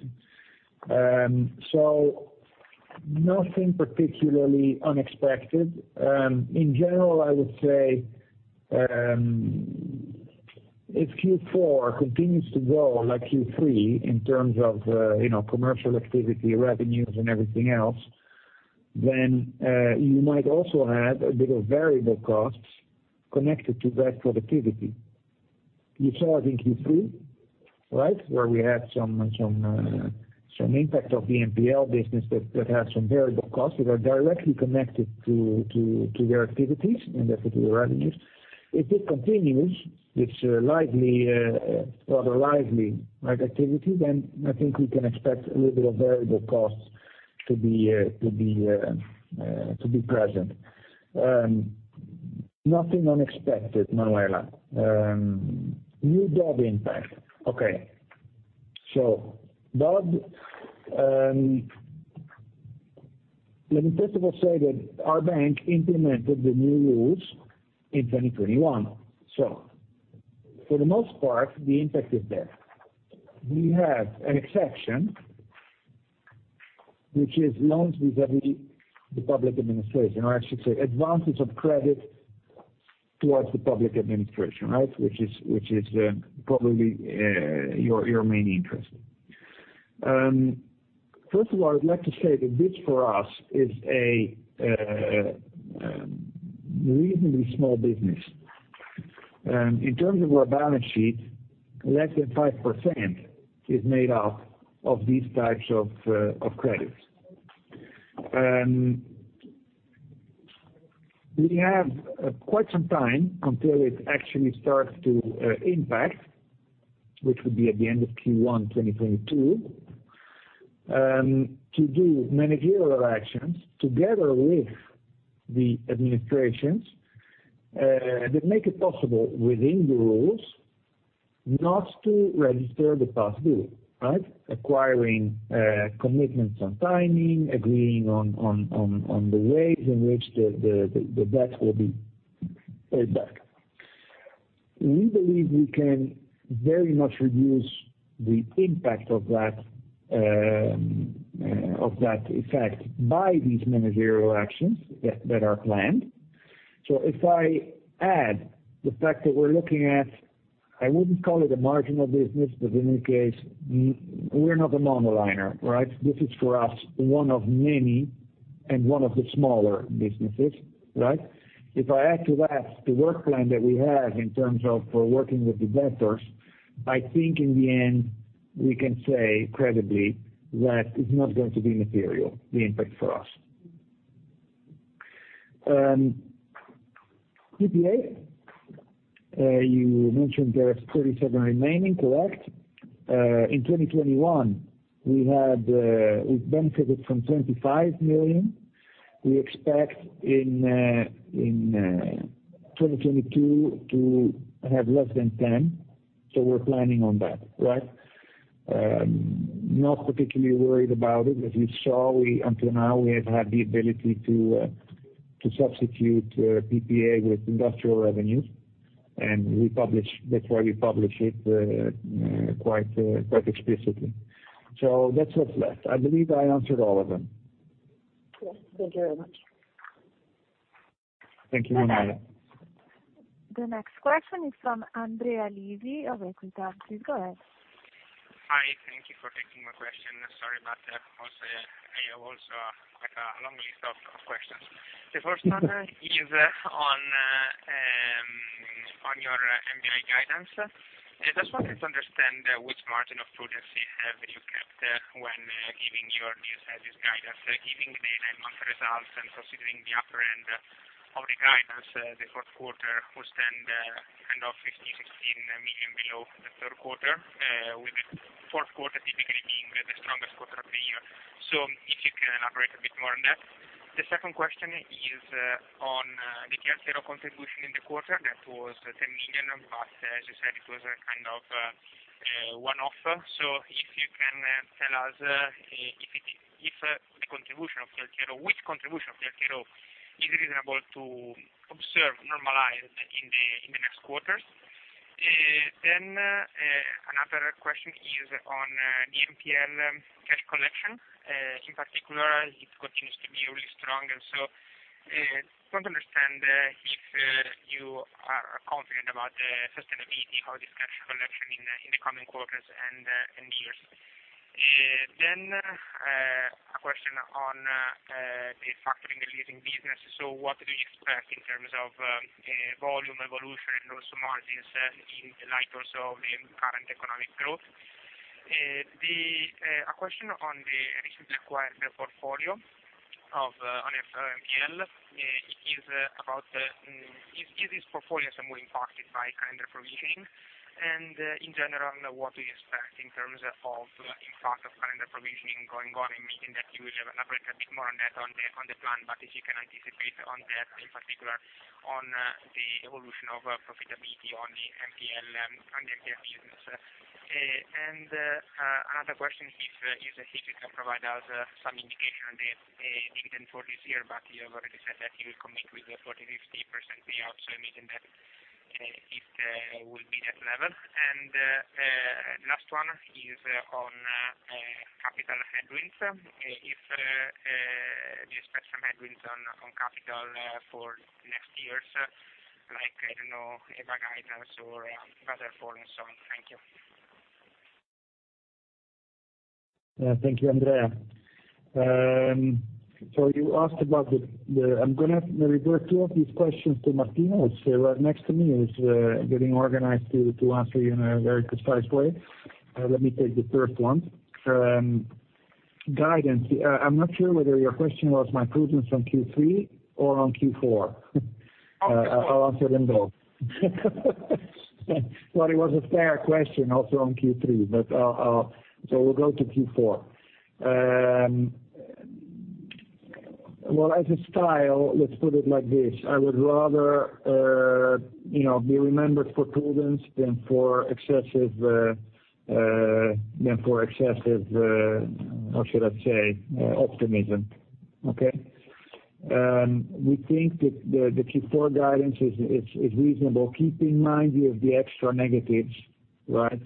Nothing particularly unexpected. In general, I would say, if Q4 continues to go like Q3 in terms of, you know, commercial activity, revenues and everything else, then you might also have a bit of variable costs connected to that productivity. You saw it in Q3, right, where we had some impact of the NPL business that had some variable costs that are directly connected to their activities and therefore to the revenues. If it continues, it's likely rather lively, right, activity, then I think we can expect a little bit of variable costs to be present. Nothing unexpected, Manuela. New DoD impact. Okay. DoD, let me first of all say that our bank implemented the new rules in 2021. For the most part, the impact is there. We have an exception which is loans with the public administration, or I should say advances of credit towards the public administration, right, which is probably your main interest. First of all, I'd like to say that this for us is a reasonably small business. In terms of our balance sheet, less than 5% is made up of these types of credits. We have quite some time until it actually starts to impact, which would be at the end of Q1 2022, to do managerial actions together with the administrations that make it possible within the rules not to register the past due, right? Acquiring commitments on timing, agreeing on the ways in which the debt will be paid back. We believe we can very much reduce the impact of that effect by these managerial actions that are planned. If I add the fact that we're looking at, I wouldn't call it a marginal business, but in any case, we're not a monoliner, right? This is for us one of many and one of the smaller businesses, right? If I add to that the work plan that we have in terms of working with the debtors, I think in the end we can say credibly that it's not going to be material, the impact for us. PPA, you mentioned there are 37 remaining, correct. In 2021, we benefited from 25 million. We expect in 2022 to have less than 10 million, so we're planning on that, right? Not particularly worried about it. As you saw, until now we have had the ability to substitute PPA with industrial revenues, and we publish it quite explicitly. So that's what's left. I believe I answered all of them. Yes. Thank you very much. Thank you, Manuela. The next question is from Andrea Lisi of Equita. Please go ahead. Hi. Thank you for taking my question. Sorry, but I also have like a long list of questions. The first one is on your NBI guidance. I just wanted to understand which margin of prudence have you kept when giving your business guidance, giving the nine-month results and considering the upper end of the guidance, the fourth quarter was then kind of 15 million-16 million below the third quarter, with the fourth quarter typically being the strongest quarter of the year. If you can elaborate a bit more on that. The second question is on the TLTRO contribution in the quarter. That was 10 million, but as you said, it was a kind of one-off. If you can tell us if the contribution of Tier Zero is reasonable to observe normalized in the next quarters. Another question is on the NPL cash collection. In particular, it continues to be really strong. Want to understand if you are confident about the sustainability of this cash collection in the coming quarters and years. A question on the factoring and leasing business. What do you expect in terms of volume evolution and also margins in light also of the current economic growth? A question on the recently acquired portfolio of NPLs. Is this portfolio somewhere impacted by calendar provisioning? In general, what do you expect in terms of impact of calendar provisioning going on, and meaning that you will have an outbreak a bit more on that on the plan, but if you can anticipate on that, in particular, on the evolution of profitability on the NPL on the NPL business. Another question is, if you can provide us some indication on the intent for this year, but you have already said that you will commit with the 40%-50% payout, so imagine that it will be that level. Last one is on capital headwinds. Do you expect some headwinds on capital for next years, like, I don't know, EBA guidance or other forms on. Thank you. Thank you, Andrea. I'm gonna refer two of these questions to Martino, who's right next to me, who's getting organized to answer you in a very concise way. Let me take the first one. Guidance. I'm not sure whether your question was my prudence on Q3 or on Q4. On Q4. I'll answer them both. It was a fair question also on Q3. We'll go to Q4. Well, as a style, let's put it like this. I would rather, you know, be remembered for prudence than for excessive, how should I say, optimism. Okay? We think that the Q4 guidance is reasonable. Keep in mind you have the extra negatives, right,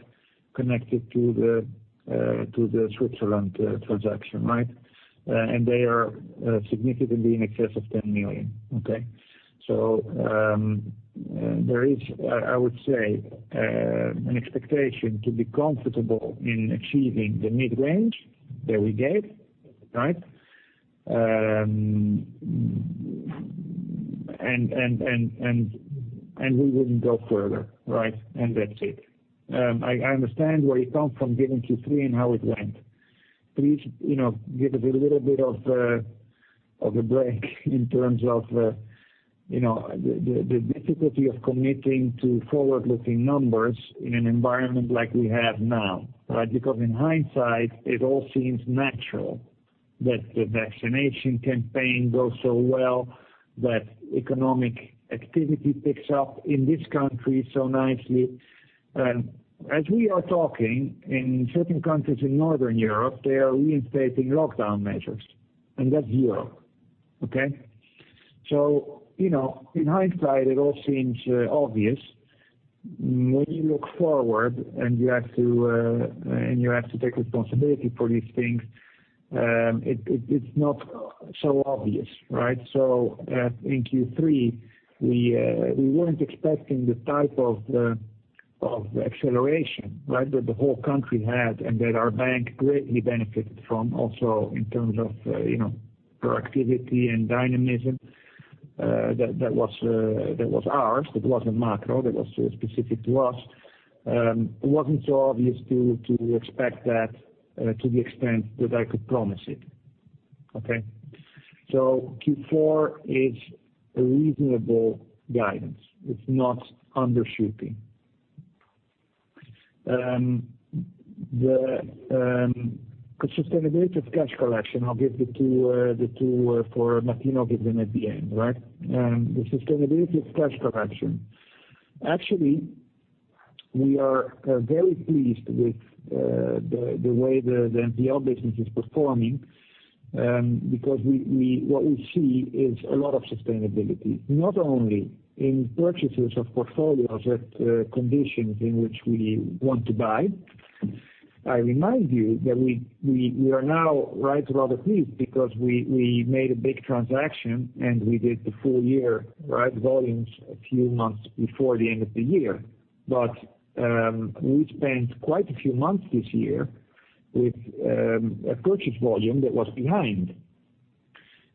connected to the Switzerland transaction, right? And they are significantly in excess of 10 million. Okay? I would say there is an expectation to be comfortable in achieving the mid-range that we gave, right? And we wouldn't go further, right? That's it. I understand where you come from given Q3 and how it went. Please, you know, give us a little bit of a break in terms of, you know, the difficulty of committing to forward-looking numbers in an environment like we have now, right? Because in hindsight, it all seems natural that the vaccination campaign goes so well, that economic activity picks up in this country so nicely. As we are talking, in certain countries in Northern Europe, they are reinstating lockdown measures, and that's Europe. Okay? You know, in hindsight it all seems obvious. When you look forward and you have to take responsibility for these things, it's not so obvious, right? In Q3, we weren't expecting the type of acceleration, right, that the whole country had and that our bank greatly benefited from also in terms of, you know, proactivity and dynamism, that was ours. That wasn't macro. That was specific to us. It wasn't so obvious to expect that, to the extent that I could promise it. Okay? Q4 is a reasonable guidance. It's not undershooting. The sustainability of cash collection, I'll give the two for Martino give them at the end, right? The sustainability of cash collection. Actually, we are very pleased with the way the NPL business is performing, because what we see is a lot of sustainability, not only in purchases of portfolios at conditions in which we want to buy. I remind you that we are now rather pleased because we made a big transaction, and we did the full year, right, volumes a few months before the end of the year. We spent quite a few months this year with a purchase volume that was behind.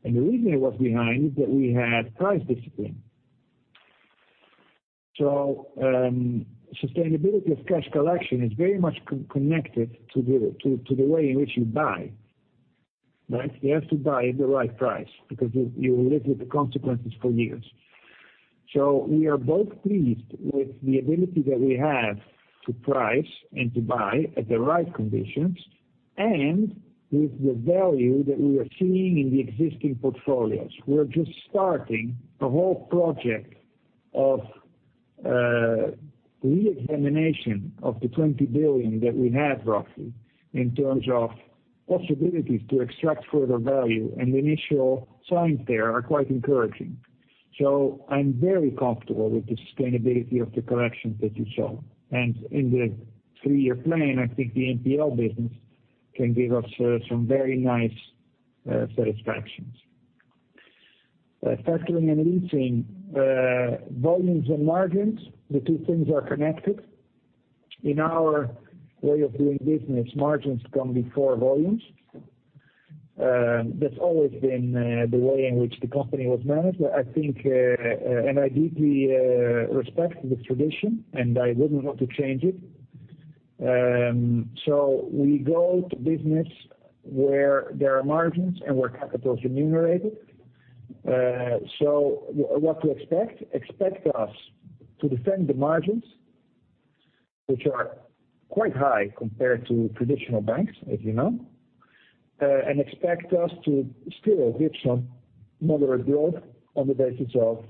The reason it was behind is that we had price discipline. Sustainability of cash collection is very much connected to the way in which you buy, right? You have to buy at the right price because you live with the consequences for years. We are both pleased with the ability that we have to price and to buy at the right conditions and with the value that we are seeing in the existing portfolios. We're just starting a whole project of re-examination of the 20 billion that we have roughly in terms of possibilities to extract further value, and the initial signs there are quite encouraging. I'm very comfortable with the sustainability of the collections that you saw. In the three-year plan, I think the NPL business can give us some very nice satisfactions. Factoring and leasing. Volumes and margins, the two things are connected. In our way of doing business, margins come before volumes. That's always been the way in which the company was managed. I think and I deeply respect the tradition, and I wouldn't want to change it. We go to business where there are margins and where capital is remunerated. What to expect? Expect us to defend the margins, which are quite high compared to traditional banks, as you know. Expect us to still give some moderate growth on the basis of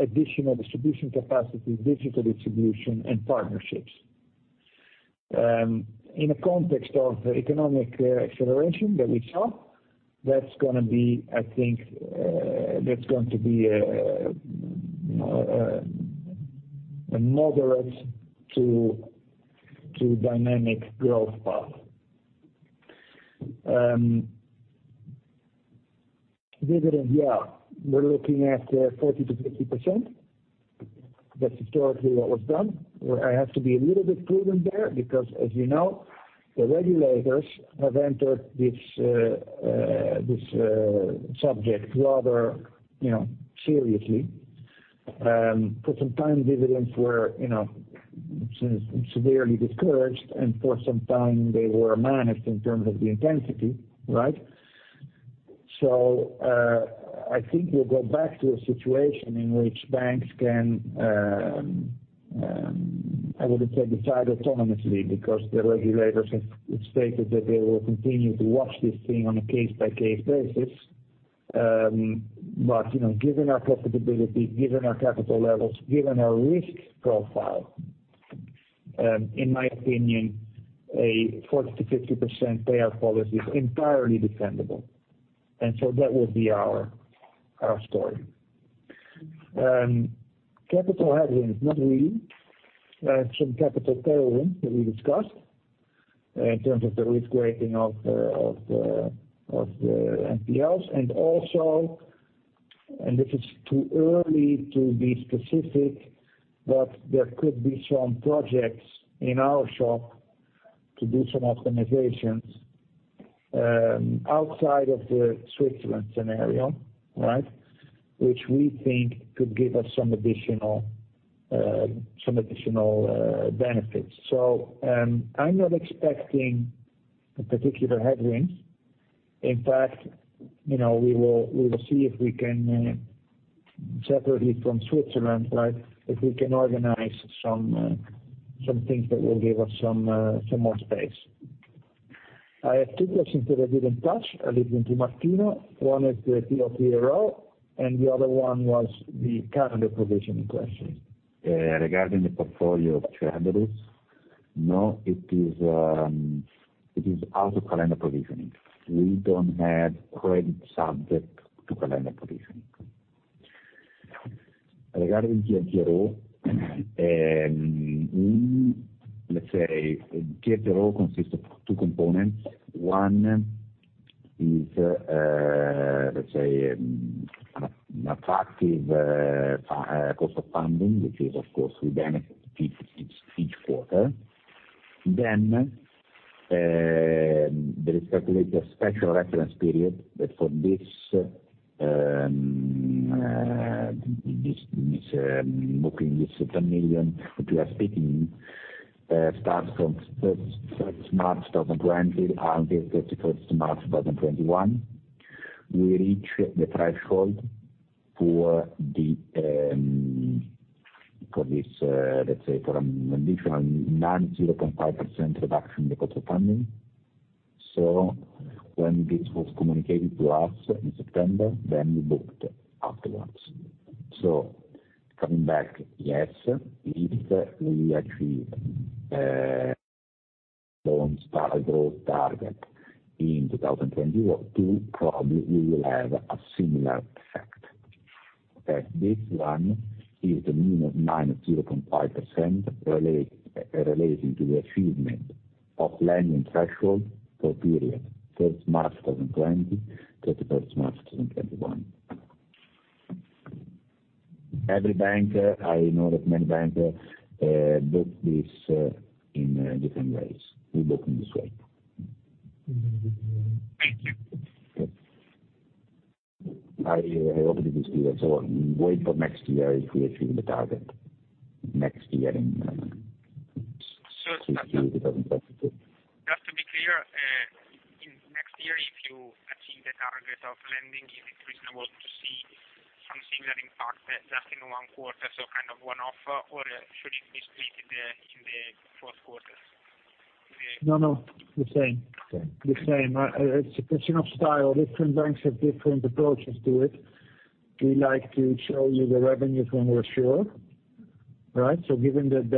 additional distribution capacity, digital distribution and partnerships. In the context of economic acceleration that we saw, that's going to be a moderate to dynamic growth path. Dividend, yeah. We're looking at 40%-50%. That's historically what was done. Where I have to be a little bit prudent there, because as you know, the regulators have entered this subject rather, you know, seriously. For some time, dividends were, you know, severely discouraged, and for some time they were managed in terms of the intensity, right? I think we'll go back to a situation in which banks can, I wouldn't say decide autonomously, because the regulators have stated that they will continue to watch this thing on a case-by-case basis. You know, given our profitability, given our capital levels, given our risk profile, in my opinion, a 40%-50% payout policy is entirely defendable. That would be our story. Capital headwinds, not really. Some capital tailwinds that we discussed, in terms of the risk weighting of the NPLs. If it's too early to be specific, but there could be some projects in our shop to do some optimizations, outside of the Switzerland scenario, right? Which we think could give us some additional benefits. I'm not expecting a particular headwind. In fact, you know, we will see if we can, separately from Switzerland, right, if we can organize some things that will give us some more space. I have two questions that I didn't touch. I leave them to Martino. One is the TLTRO, and the other one was the calendar provisioning question. Regarding the portfolio of treasuries. No, it is out of calendar provisioning. We don't have credit subject to calendar provisioning. Regarding TLTRO, let's say TLTRO consists of two components. One is, let's say, an attractive cost of funding, which is of course we benefit each quarter. Then, there is calculated a special reference period that for this booking this 10 million which we are speaking, starts from first March 2020 and thirty-first March 2021. We reach the threshold for the, for this, let's say for an additional -0.5% reduction in the cost of funding. When this was communicated to us in September, then we booked afterwards. Coming back, yes, if we achieve loans target, growth target in 2022, probably we will have a similar effect. As this one is the minus 0.5% relating to the achievement of lending threshold for period first March 2020, thirty-first March 2021. Every bank, I know that many banks book this in different ways. We book in this way. Thank you. I opened this here. Wait for next year if we achieve the target. Next year in So- 2022. Just to be clear, in next year if you achieve the target of lending, is it reasonable to see something that impacts just in one quarter, so kind of one-off, or should it be split in the four quarters? No, no. The same. Same. The same. It's a question of style. Different banks have different approaches to it. We like to show you the revenues when we're sure, right? Given that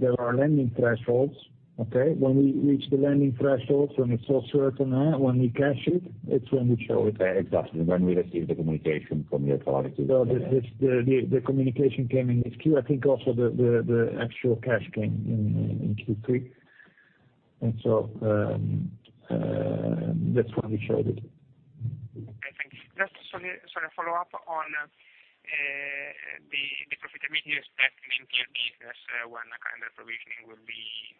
there are lending thresholds, okay, when we reach the lending thresholds, when it's all certain, when we cash it's when we show it. Exactly. When we receive the communication from the authority. This communication came in Q. I think also the actual cash came in Q3. That's when we showed it. Okay, thank you. Just sorry, a follow-up on the profitability aspect in entire business, when calendar provisioning will be-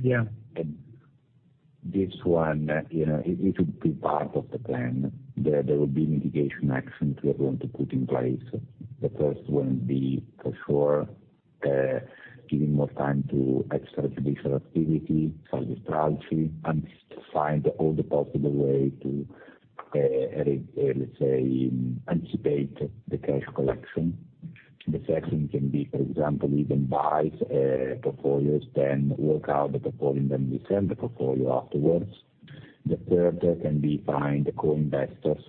Yeah. This one, you know, it would be part of the plan. There will be mitigation action we are going to put in place. The first one would be for sure, giving more time to extrajudicial activity, sale and leaseback, and find all the possible way to, let's say, anticipate the cash collection. The second can be, for example, even buy portfolios, then work out the portfolio, and then we sell the portfolio afterwards. The third can be find co-investors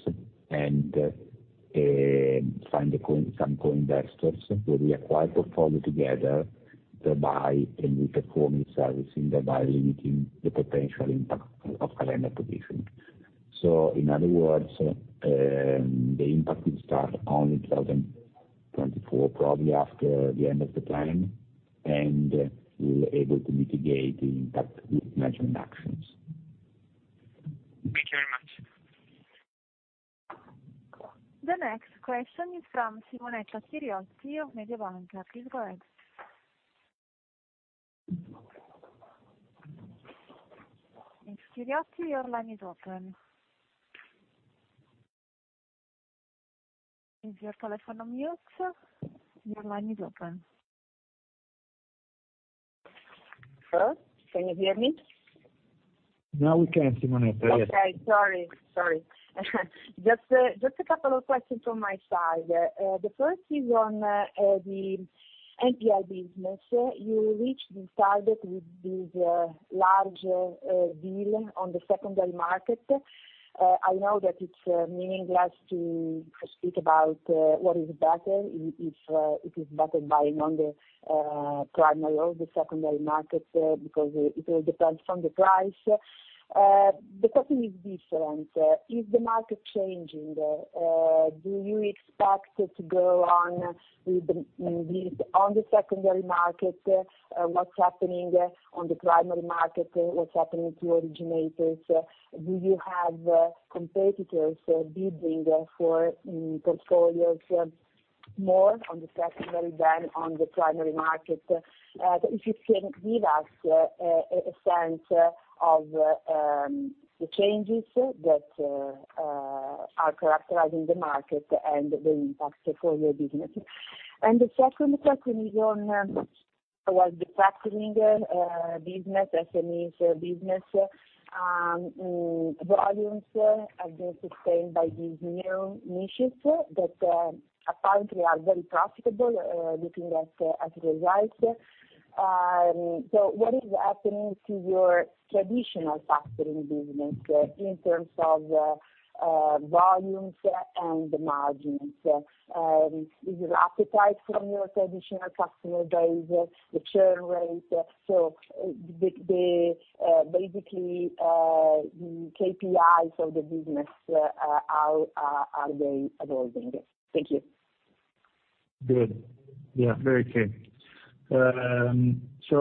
and find some co-investors where we acquire portfolio together, thereby can we perform in servicing, thereby limiting the potential impact of calendar provisioning. In other words, the impact will start on 2024, probably after the end of the plan, and we're able to mitigate the impact with management actions. Thank you very much. The next question is from Simonetta Chiriotti of Mediobanca. Please go ahead. Ms. Chiriotti, your line is open. Is your telephone on mute, sir? Your line is open. Hello, can you hear me? Now we can, Simonetta. Yes. Okay, sorry. Just a couple of questions from my side. The first is on the NPL business. You reached the target with this large deal on the secondary market. I know that it's meaningless to speak about what is better if it is better buying on the primary or the secondary market, because it will depend on the price. The question is different. Is the market changing? Do you expect to go on with the secondary market? What's happening on the primary market? What's happening to originators? Do you have competitors bidding for portfolios more on the secondary than on the primary market? If you can give us a sense of the changes that are characterizing the market and the impact for your business. The second question is on toward the factoring business, SMEs business. Volumes have been sustained by these new niches that apparently are very profitable, looking at your results. What is happening to your traditional factoring business in terms of volumes and margins? Is there appetite from your traditional customer base, the churn rate? The basically KPIs of the business, how are they evolving? Thank you. Good. Yeah, very clear.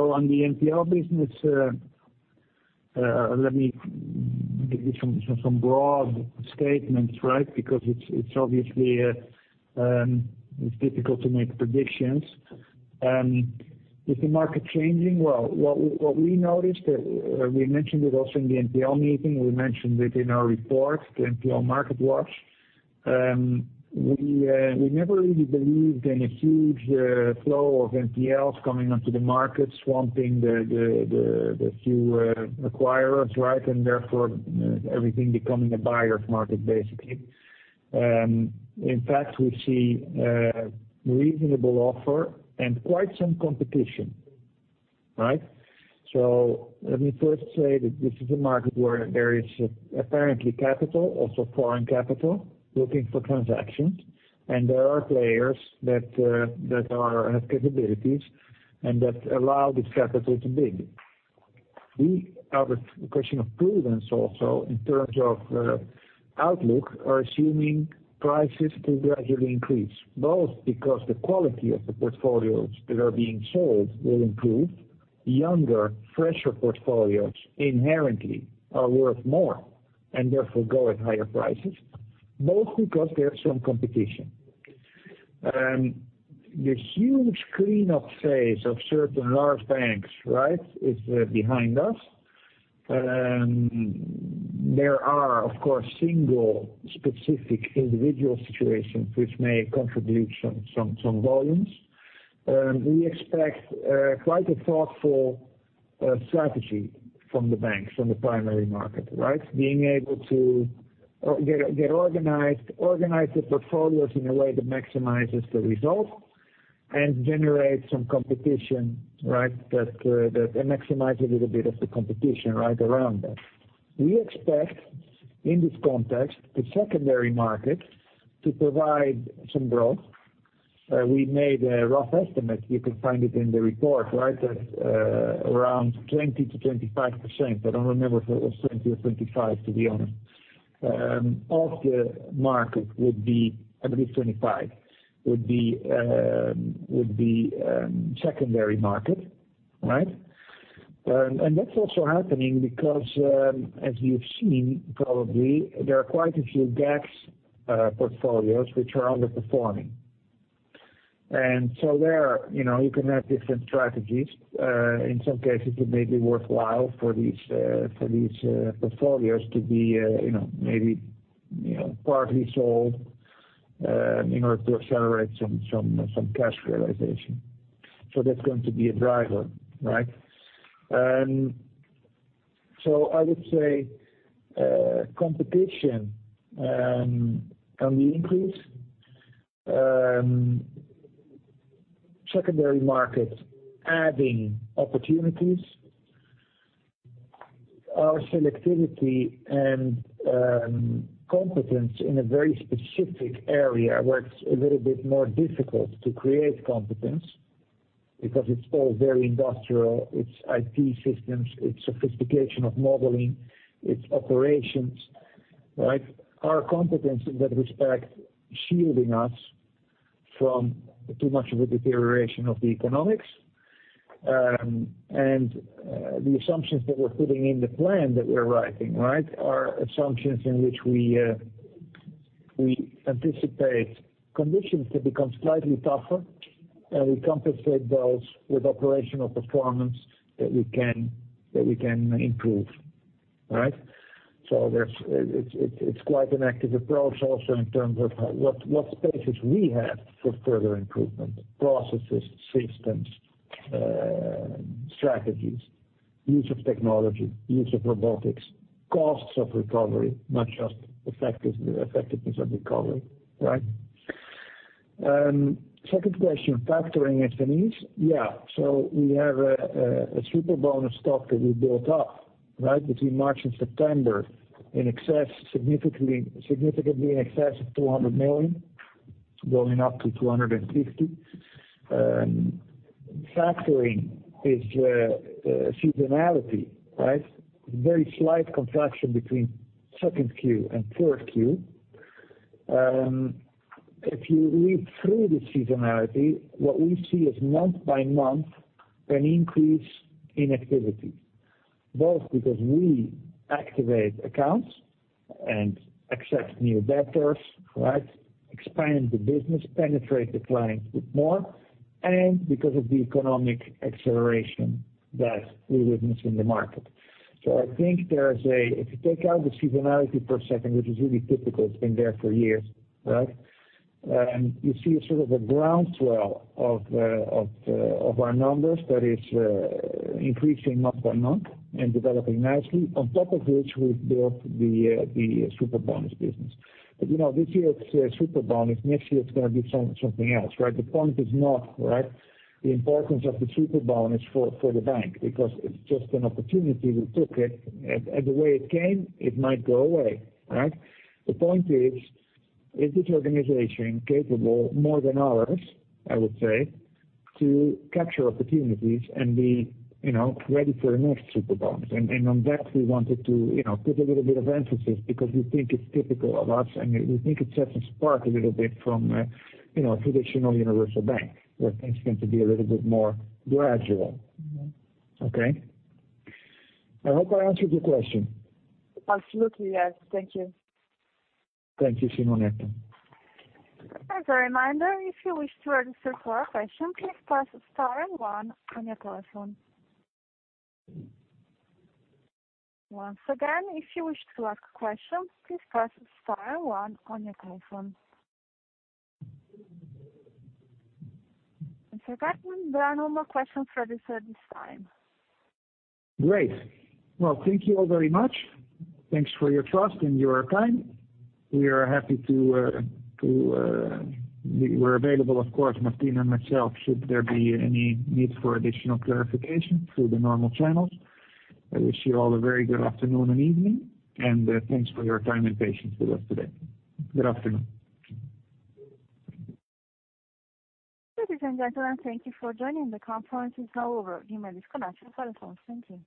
On the NPL business, let me give you some broad statements, right? Because it's obviously difficult to make predictions. Is the market changing? Well, what we noticed, we mentioned it also in the NPL meeting, we mentioned it in our report, the NPL Market Watch. We never really believed in a huge flow of NPLs coming onto the market, swamping the few acquirers, right? Therefore everything becoming a buyer's market, basically. In fact, we see reasonable offer and quite some competition, right? Let me first say that this is a market where there is apparently capital, also foreign capital, looking for transactions, and there are players that have capabilities and that allow this capital to bid. We, without question, out of prudence also, in terms of outlook, are assuming prices to gradually increase, both because the quality of the portfolios that are being sold will improve. Younger, fresher portfolios inherently are worth more and therefore go at higher prices, both because there's some competition. This huge cleanup phase of certain large banks, right, is behind us. There are of course single specific individual situations which may contribute some volumes. We expect quite a thoughtful strategy from the banks, from the primary market, right? Being able to organize the portfolios in a way that maximizes the result and generates some competition, right? That maximize a little bit of the competition right around us. We expect, in this context, the secondary market to provide some growth. We made a rough estimate, you can find it in the report, right? That around 20%-25% of the market would be secondary market, right? I don't remember if it was 20 or 25, to be honest. I believe 25 would be secondary market right?. That's also happening because, as you've seen, probably, there are quite a few DAX portfolios which are underperforming. There, you know, you can have different strategies. In some cases, it may be worthwhile for these portfolios to be, you know, maybe, you know, partly sold in order to accelerate some cash realization. That's going to be a driver, right? I would say, competition on the increase. Secondary market adding opportunities. Our selectivity and competence in a very specific area where it's a little bit more difficult to create competence because it's all very industrial. It's IT systems, it's sophistication of modeling, it's operations, right? Our competence in that respect, shielding us from too much of a deterioration of the economics. The assumptions that we're putting in the plan that we're writing, right, are assumptions in which we anticipate conditions to become slightly tougher, and we compensate those with operational performance that we can improve, right? That's quite an active approach also in terms of what spaces we have for further improvement. Processes, systems, strategies, use of technology, use of robotics, costs of recovery, not just effective, effectiveness of recovery, right? Second question. Factoring SME. Yeah. We have a Superbonus stock that we built up, right, between March and September in excess, significantly in excess of 200 million, going up to 250 million. Factoring is seasonality, right? Very slight contraction between second Q and fourth Q. If you read through the seasonality, what we see is month by month an increase in activity, both because we activate accounts and accept new debtors, right, expand the business, penetrate the client a bit more, and because of the economic acceleration that we witness in the market. I think there is a. If you take out the seasonality per se, which is really typical, it's been there for years, right? You see a sort of a ground swell of our numbers that is increasing month by month and developing nicely. On top of which we've built the Superbonus business. You know, this year it's a Superbonus, next year it's gonna be something else, right? The point is not, right, the importance of the Superbonus for the bank, because it's just an opportunity we took it. The way it came, it might go away, right? The point is this organization capable more than ours, I would say, to capture opportunities and be, you know, ready for the next Superbonus. On that, we wanted to, you know, put a little bit of emphasis because we think it's typical of us, and we think it sets us apart a little bit from, you know, a traditional universal bank, where things tend to be a little bit more gradual. Okay? I hope I answered your question. Absolutely, yes. Thank you. Thank you, Simonetta. As a reminder, if you wish to register for a question, please press star and one on your telephone. Once again, if you wish to ask a question, please press star and one on your telephone. Mr. Geertman, there are no more questions registered at this time. Great. Well, thank you all very much. Thanks for your trust and your time. We're available, of course, Martina and myself, should there be any need for additional clarification through the normal channels. I wish you all a very good afternoon and evening, and thanks for your time and patience with us today. Good afternoon. Ladies and gentlemen, thank you for joining. The conference is now over. You may disconnect your telephones. Thank you.